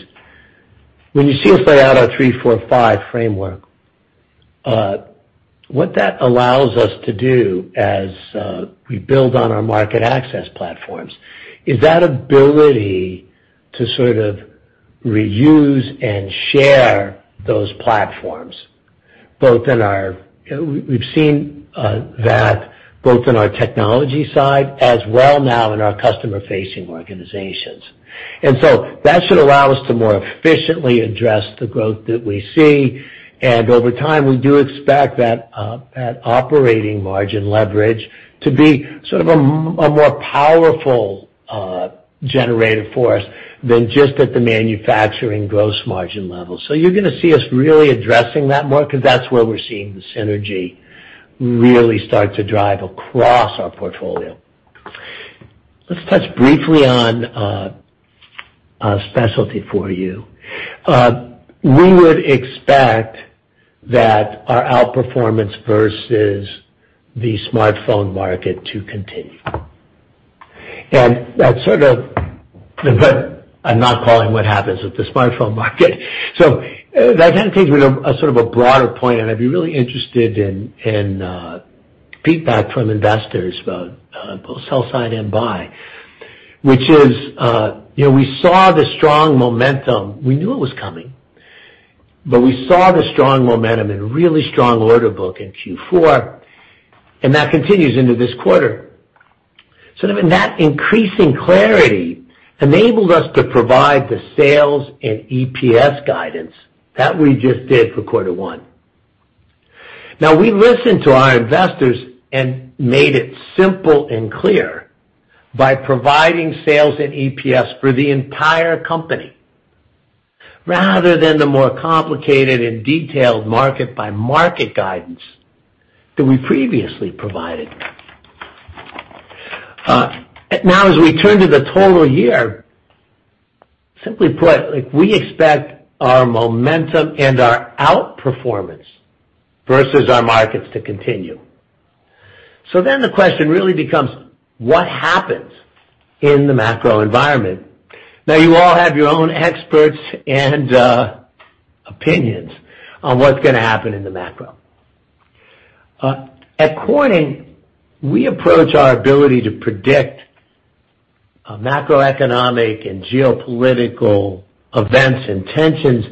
Speaker 3: When you see us lay out our three, four, five framework, what that allows us to do as we build on our market access platforms is that ability to sort of reuse and share those platforms. We've seen that both in our technology side as well now in our customer-facing organizations. That should allow us to more efficiently address the growth that we see, and over time, we do expect that operating margin leverage to be sort of a more powerful generator force than just at the manufacturing gross margin level. You're going to see us really addressing that more because that's where we're seeing the synergy really start to drive across our portfolio. Let's touch briefly on Specialty for you. We would expect that our outperformance versus the smartphone market to continue. I'm not calling what happens with the smartphone market. That kind of takes me to a sort of a broader point. I'd be really interested in feedback from investors about both sell side and buy, which is, we saw the strong momentum. We knew it was coming, but we saw the strong momentum and really strong order book in Q4. That continues into this quarter. Sort of in that increasing clarity enabled us to provide the sales and EPS guidance that we just did for quarter one. Now we listened to our investors and made it simple and clear by providing sales and EPS for the entire company rather than the more complicated and detailed market-by-market guidance that we previously provided. As we turn to the total year, simply put, we expect our momentum and our outperformance versus our markets to continue. The question really becomes what happens in the macro environment? You all have your own experts and opinions on what's going to happen in the macro. At Corning, we approach our ability to predict macroeconomic and geopolitical events and tensions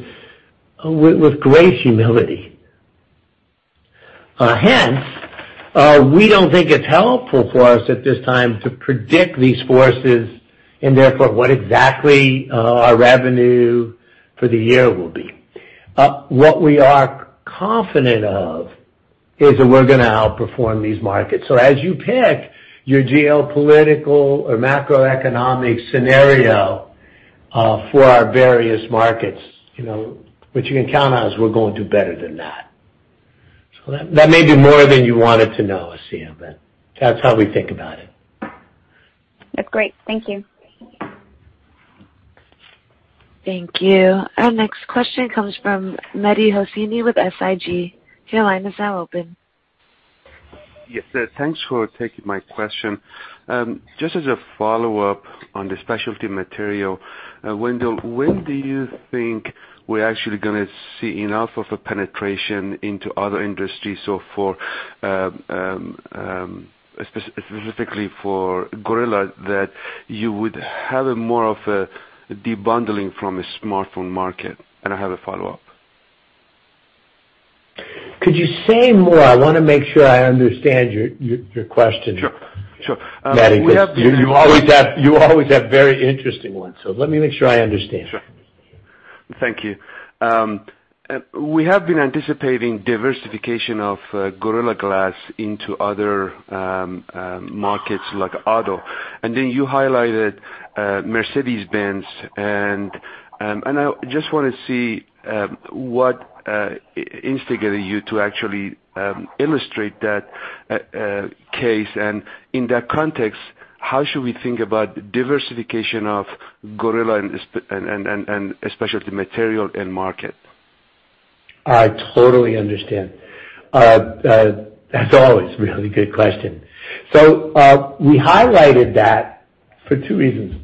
Speaker 3: with great humility. Hence, we don't think it's helpful for us at this time to predict these forces and therefore what exactly our revenue for the year will be. What we are confident of is that we're going to outperform these markets. As you pick your geopolitical or macroeconomic scenario for our various markets, what you can count on is we're going to do better than that. That may be more than you wanted to know, Asiya, but that's how we think about it.
Speaker 8: That's great. Thank you.
Speaker 1: Thank you. Our next question comes from Mehdi Hosseini with SIG. Your line is now open.
Speaker 9: Yes. Thanks for taking my question. Just as a follow-up on the Specialty Materials, Wendell, when do you think we're actually going to see enough of a penetration into other industries, so for specifically for Gorilla, that you would have more of a debundling from a smartphone market? I have a follow-up.
Speaker 3: Could you say more? I want to make sure I understand your question?
Speaker 9: Sure.
Speaker 3: Mehdi, because you always have very interesting ones, so let me make sure I understand.
Speaker 9: Sure. Thank you. We have been anticipating diversification of Gorilla Glass into other markets like auto, and then you highlighted Mercedes-Benz, and I just want to see what instigated you to actually illustrate that case. In that context, how should we think about diversification of Gorilla and Specialty Materials and market?
Speaker 3: I totally understand. That's always a really good question. We highlighted that for two reasons.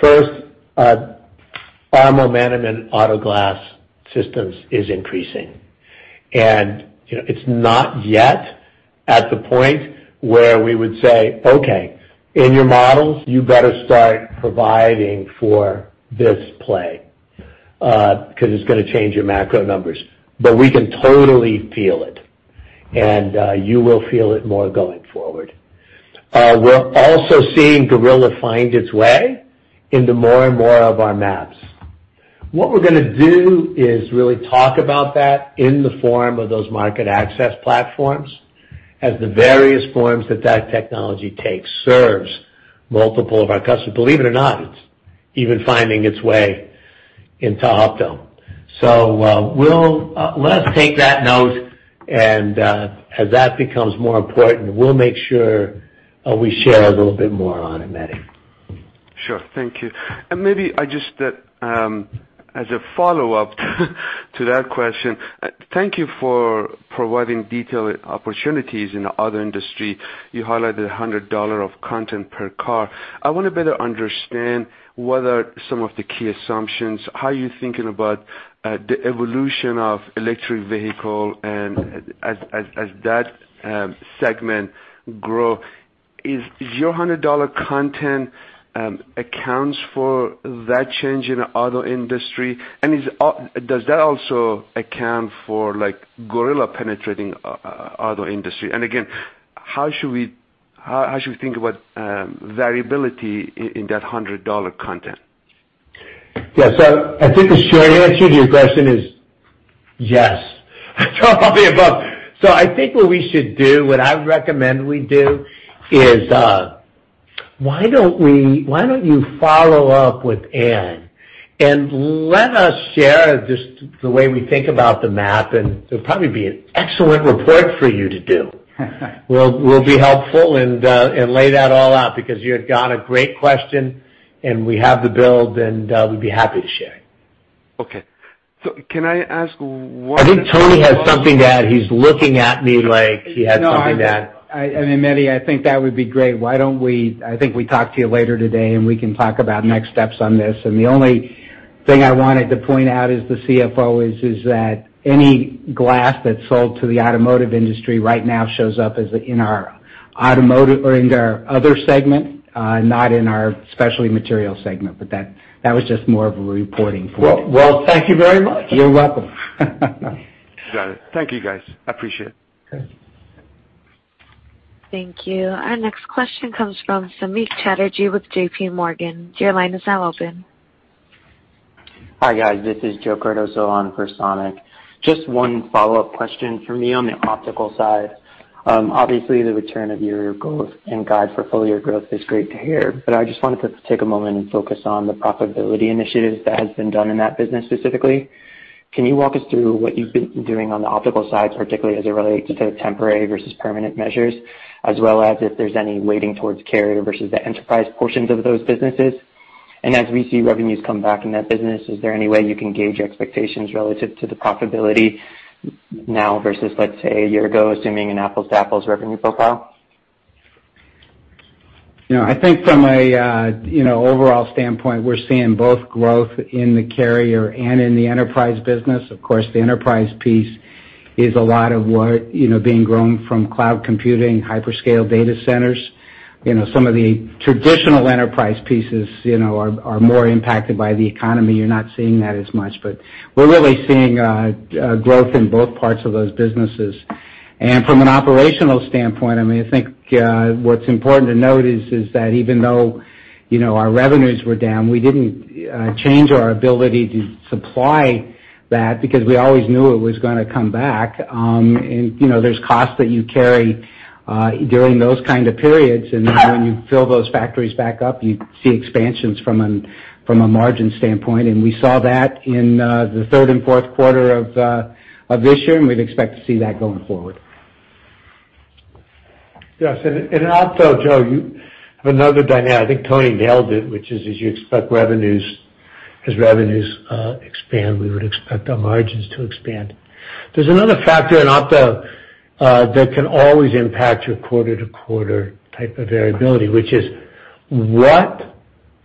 Speaker 3: First, our momentum in auto glass systems is increasing. It's not yet at the point where we would say, Okay, in your models, you better start providing for this play, because it's going to change your macro numbers. We can totally feel it, and you will feel it more going forward. We're also seeing Gorilla find its way into more and more of our MAPs. What we're going to do is really talk about that in the form of those market access platforms as the various forms that technology takes serves multiple of our customers. Believe it or not, it's even finding its way into Opto. Let us take that note, and as that becomes more important, we'll make sure we share a little bit more on it, Mehdi.
Speaker 9: Sure. Thank you. Maybe just as a follow-up to that question, thank you for providing detailed opportunities in the auto industry. You highlighted $100 of content per car. I want to better understand what are some of the key assumptions. How are you thinking about the evolution of electric vehicle, and as that segment grows, is your $100 content accounts for that change in the auto industry, and does that also account for Gorilla penetrating auto industry? Again, how should we think about variability in that $100 content?
Speaker 3: Yeah. I think the short answer to your question is yes to all of the above. I think what we should do, what I recommend we do, is why don't you follow up with Ann, and let us share just the way we think about the math, and it'll probably be an excellent report for you to do. We'll be helpful and lay that all out because you've got a great question, and we have the build, and we'd be happy to share.
Speaker 9: Okay. Can I ask one-.
Speaker 3: I think Tony has something to add. He's looking at me like he has something to add.
Speaker 4: No, I mean, Mehdi, I think that would be great. I think we talk to you later today, and we can talk about next steps on this. The only thing I wanted to out as the CFO is that any glass that's sold to the automotive industry right now shows up in our other segment, not in our Specialty Materials segment, but that was just more of a reporting point.
Speaker 3: Well, thank you very much.
Speaker 4: You're welcome.
Speaker 9: Got it. Thank you, guys. I appreciate it.
Speaker 4: Okay.
Speaker 1: Thank you. Our next question comes from Samik Chatterjee with JPMorgan. Your line is now open.
Speaker 10: Hi, guys. This is Joe Cardoso on for Samik. Just one follow-up question from me on the optical side. Obviously, the return of year growth and guide for full-year growth is great to hear, but I just wanted to take a moment and focus on the profitability initiatives that has been done in that business specifically. Can you walk us through what you've been doing on the optical side, particularly as it relates to temporary versus permanent measures, as well as if there's any weighting towards carrier versus the enterprise portions of those businesses? As we see revenues come back in that business, is there any way you can gauge your expectations relative to the profitability now versus, let's say, a year ago, assuming an apples-to-apples revenue profile?
Speaker 4: I think from an overall standpoint, we're seeing both growth in the carrier and in the enterprise business. The enterprise piece is a lot of what being grown from cloud computing, hyperscale data centers. Some of the traditional enterprise pieces are more impacted by the economy. You're not seeing that as much, we're really seeing growth in both parts of those businesses. From an operational standpoint, I think what's important to note is that even though our revenues were down, we didn't change our ability to supply that because we always knew it was going to come back. There's costs that you carry during those kind of periods, and then when you fill those factories back up, you see expansions from a margin standpoint. We saw that in the third and fourth quarter of this year, and we'd expect to see that going forward.
Speaker 3: Yes, also, Joe, you have another dynamic. I think Tony nailed it, which is as you expect as revenues expand, we would expect our margins to expand. There's another factor in Opto that can always impact your quarter-to-quarter type of variability, which is what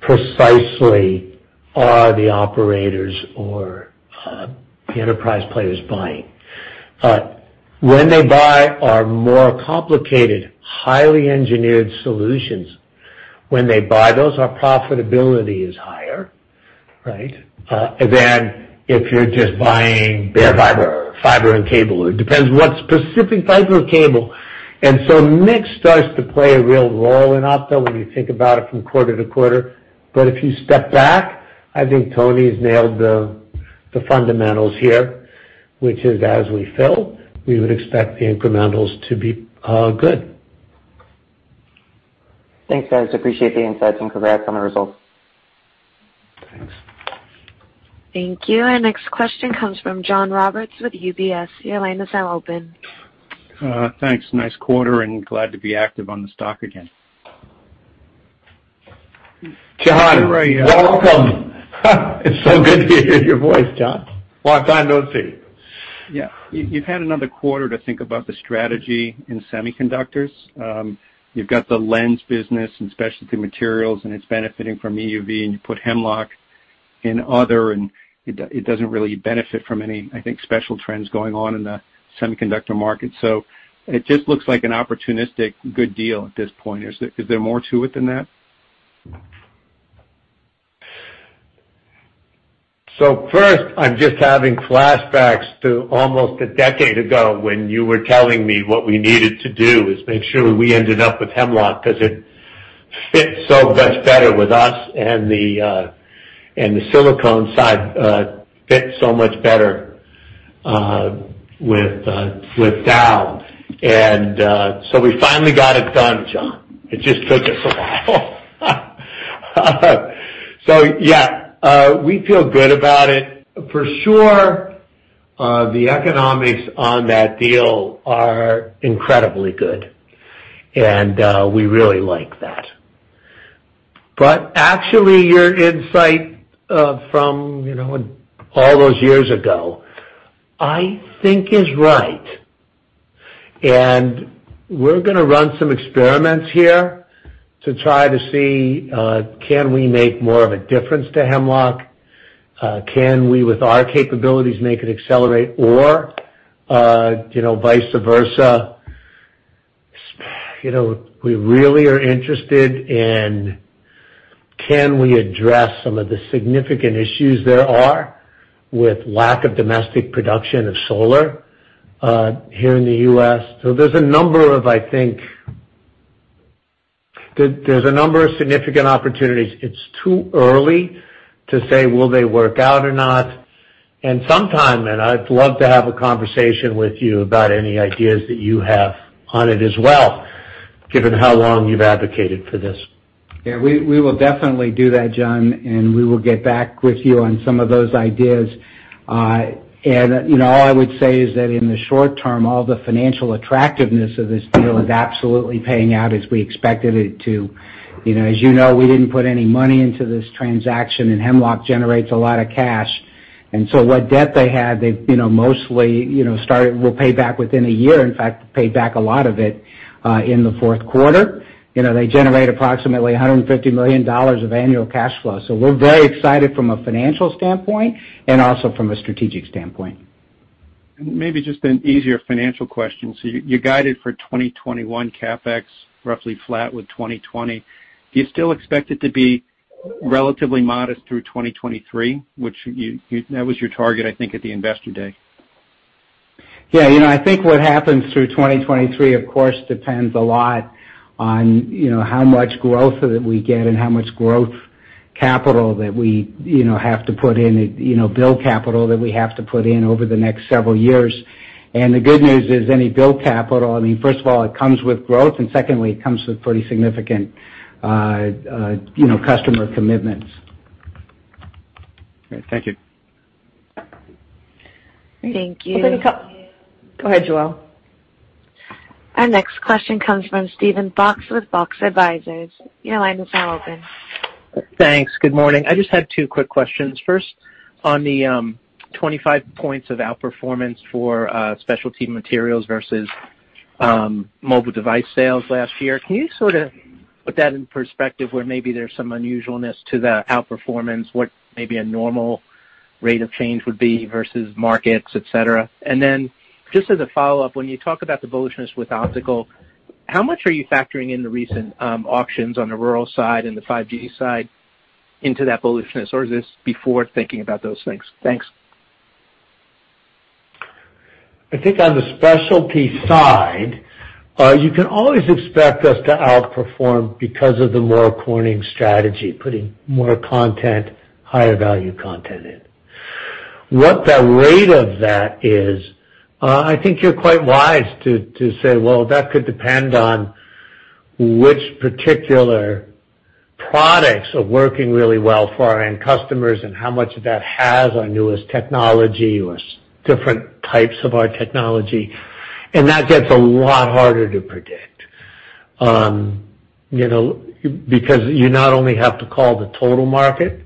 Speaker 3: precisely are the operators or the enterprise players buying? When they buy our more complicated, highly engineered solutions, when they buy those, our profitability is higher, than if you're just buying bare fiber and cable. It depends what specific fiber or cable. Mix starts to play a real role in opto when you think about it from quarter-to-quarter. If you step back, I think Tony's nailed the fundamentals here, which is as we fill, we would expect the incrementals to be good.
Speaker 10: Thanks, guys. Appreciate the insights and congrats on the results.
Speaker 3: Thanks.
Speaker 1: Thank you. Our next question comes from John Roberts with UBS. Your line is now open.
Speaker 11: Thanks. Nice quarter, and glad to be active on the stock again.
Speaker 3: John, welcome. It's so good to hear your voice, John. Long time no see.
Speaker 11: Yeah. You've had another quarter to think about the strategy in semiconductors. You've got the lens business and Specialty Materials, and it's benefiting from EUV, and you put Hemlock in other, and it doesn't really benefit from any, I think, special trends going on in the semiconductor market. It just looks like an opportunistic good deal at this point. Is there more to it than that?
Speaker 3: First, I'm just having flashbacks to almost a decade ago when you were telling me what we needed to do is make sure we ended up with Hemlock because it fit so much better with us and the silicone side fit so much better with Dow. We finally got it done, John. It just took us a while. Yeah, we feel good about it. For sure, the economics on that deal are incredibly good, and we really like that. Actually, your insight from all those years ago, I think is right. We're going to run some experiments here to try to see, can we make more of a difference to Hemlock? Can we, with our capabilities, make it accelerate or vice versa? We really are interested in can we address some of the significant issues there are with lack of domestic production of solar here in the U.S. There's a number of significant opportunities. It's too early to say will they work out or not, and sometime, I'd love to have a conversation with you about any ideas that you have on it as well, given how long you've advocated for this.
Speaker 4: We will definitely do that, John. We will get back with you on some of those ideas. All I would say is that in the short term, all the financial attractiveness of this deal is absolutely paying out as we expected it to. As you know, we didn't put any money into this transaction. Hemlock generates a lot of cash. What debt they had, mostly will pay back within a year. In fact, paid back a lot of it in the fourth quarter. They generate approximately $150 million of annual cash flow. We're very excited from a financial standpoint and also from a strategic standpoint.
Speaker 11: Maybe just an easier financial question? You guided for 2021 CapEx roughly flat with 2020. Do you still expect it to be relatively modest through 2023, which that was your target, I think, at the Investor Day?
Speaker 4: Yeah. I think what happens through 2023, of course, depends a lot on how much growth that we get and how much growth capital that we have to put in, build capital that we have to put in over the next several years. The good news is any build capital, I mean, first of all, it comes with growth, and secondly, it comes with pretty significant customer commitments.
Speaker 11: Great. Thank you.
Speaker 1: Thank you.
Speaker 2: Go ahead, Joelle.
Speaker 1: Our next question comes from Steven Fox with Fox Advisors. Your line is now open.
Speaker 12: Thanks. Good morning. I just had two quick questions. First, on the 25 points of outperformance for Specialty Materials versus mobile device sales last year, can you sort of put that in perspective where maybe there's some unusualness to the outperformance, what maybe a normal rate of change would be versus markets, et cetera? Just as a follow-up, when you talk about the bullishness with optical, how much are you factoring in the recent auctions on the rural side and the 5G side into that bullishness? Or is this before thinking about those things? Thanks.
Speaker 3: I think on the Specialty Materials side, you can always expect us to outperform because of the More Corning strategy, putting more content, higher value content in. What the rate of that is, I think you're quite wise to say, well, that could depend on which particular products are working really well for our end customers and how much of that has our newest technology or different types of our technology. That gets a lot harder to predict. You not only have to call the total market,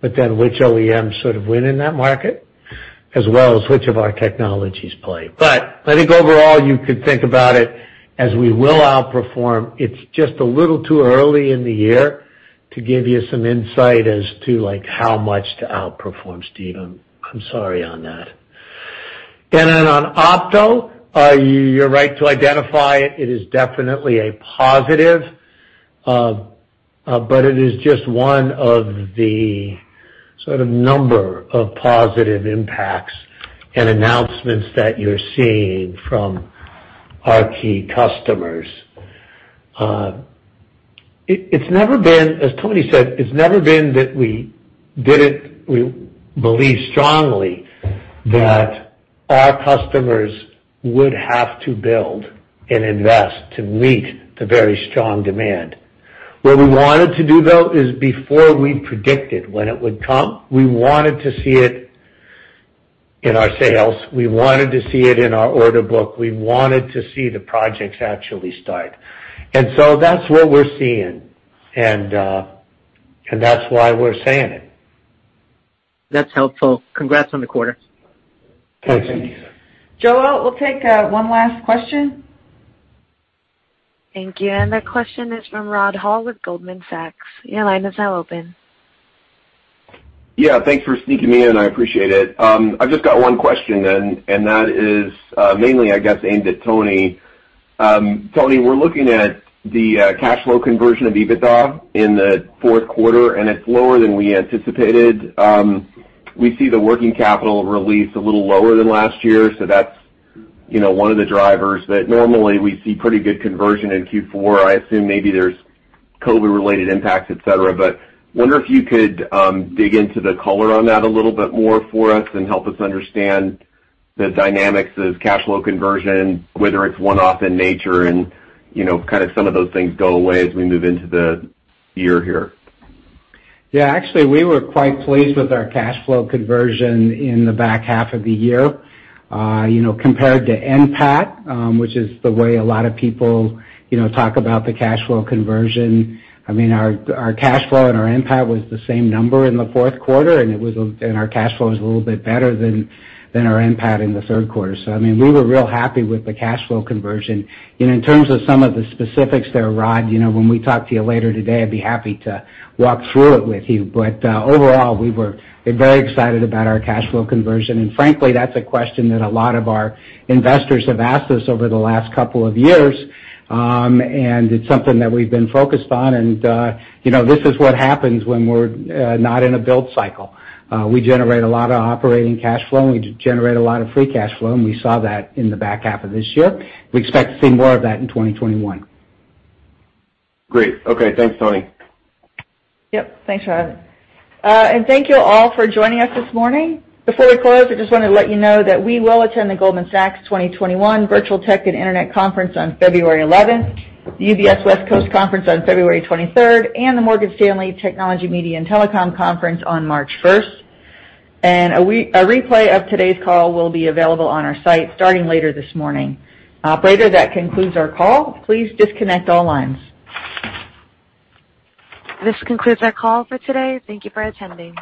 Speaker 3: which OEMs sort of win in that market, as well as which of our technologies play. I think overall, you could think about it as we will outperform. It's just a little too early in the year to give you some insight as to how much to outperform, Steven. I'm sorry on that. On Opto, you're right to identify it. It is definitely a positive. It is just one of the sort of number of positive impacts and announcements that you're seeing from our key customers. As Tony said, it's never been that we didn't believe strongly that our customers would have to build and invest to meet the very strong demand. What we wanted to do, though, is before we predicted when it would come, we wanted to see it in our sales. We wanted to see it in our order book. We wanted to see the projects actually start. That's what we're seeing, and that's why we're saying it.
Speaker 12: That's helpful. Congrats on the quarter.
Speaker 3: Thank you.
Speaker 2: Joelle, we'll take one last question.
Speaker 1: Thank you. That question is from Rod Hall with Goldman Sachs. Your line is now open.
Speaker 13: Thanks for sneaking me in. I appreciate it. I've just got one question, that is mainly, I guess, aimed at Tony. Tony, we're looking at the cash flow conversion of EBITDA in the fourth quarter, it's lower than we anticipated. We see the working capital release a little lower than last year, that's one of the drivers. Normally we see pretty good conversion in Q4. I assume maybe there's COVID-related impacts, et cetera, wonder if you could dig into the color on that a little bit more for us help us understand the dynamics of cash flow conversion, whether it's one-off in nature kind of some of those things go away as we move into the year here.
Speaker 4: Yeah, actually, we were quite pleased with our cash flow conversion in the back half of the year. Compared to NPAT, which is the way a lot of people talk about the cash flow conversion. I mean, our cash flow and our NPAT was the same number in the fourth quarter, and our cash flow is a little bit better than our NPAT in the third quarter. I mean, we were real happy with the cash flow conversion. In terms of some of the specifics there, Rod, when we talk to you later today, I'd be happy to walk through it with you. Overall, we're very excited about our cash flow conversion. Frankly, that's a question that a lot of our investors have asked us over the last couple of years. It's something that we've been focused on and this is what happens when we're not in a build cycle. We generate a lot of operating cash flow, and we generate a lot of free cash flow, and we saw that in the back half of this year. We expect to see more of that in 2021.
Speaker 13: Great. Okay. Thanks, Tony.
Speaker 2: Yep. Thanks, Rod. Thank you all for joining us this morning. Before we close, I just wanted to let you know that we will attend the Goldman Sachs 2021 Virtual Tech and Internet Conference on February 11th, the UBS West Coast Conference on February 23rd, and the Morgan Stanley Technology, Media and Telecom Conference on March 1st. A replay of today's call will be available on our site starting later this morning. Operator, that concludes our call. Please disconnect all lines.
Speaker 1: This concludes our call for today. Thank you for attending.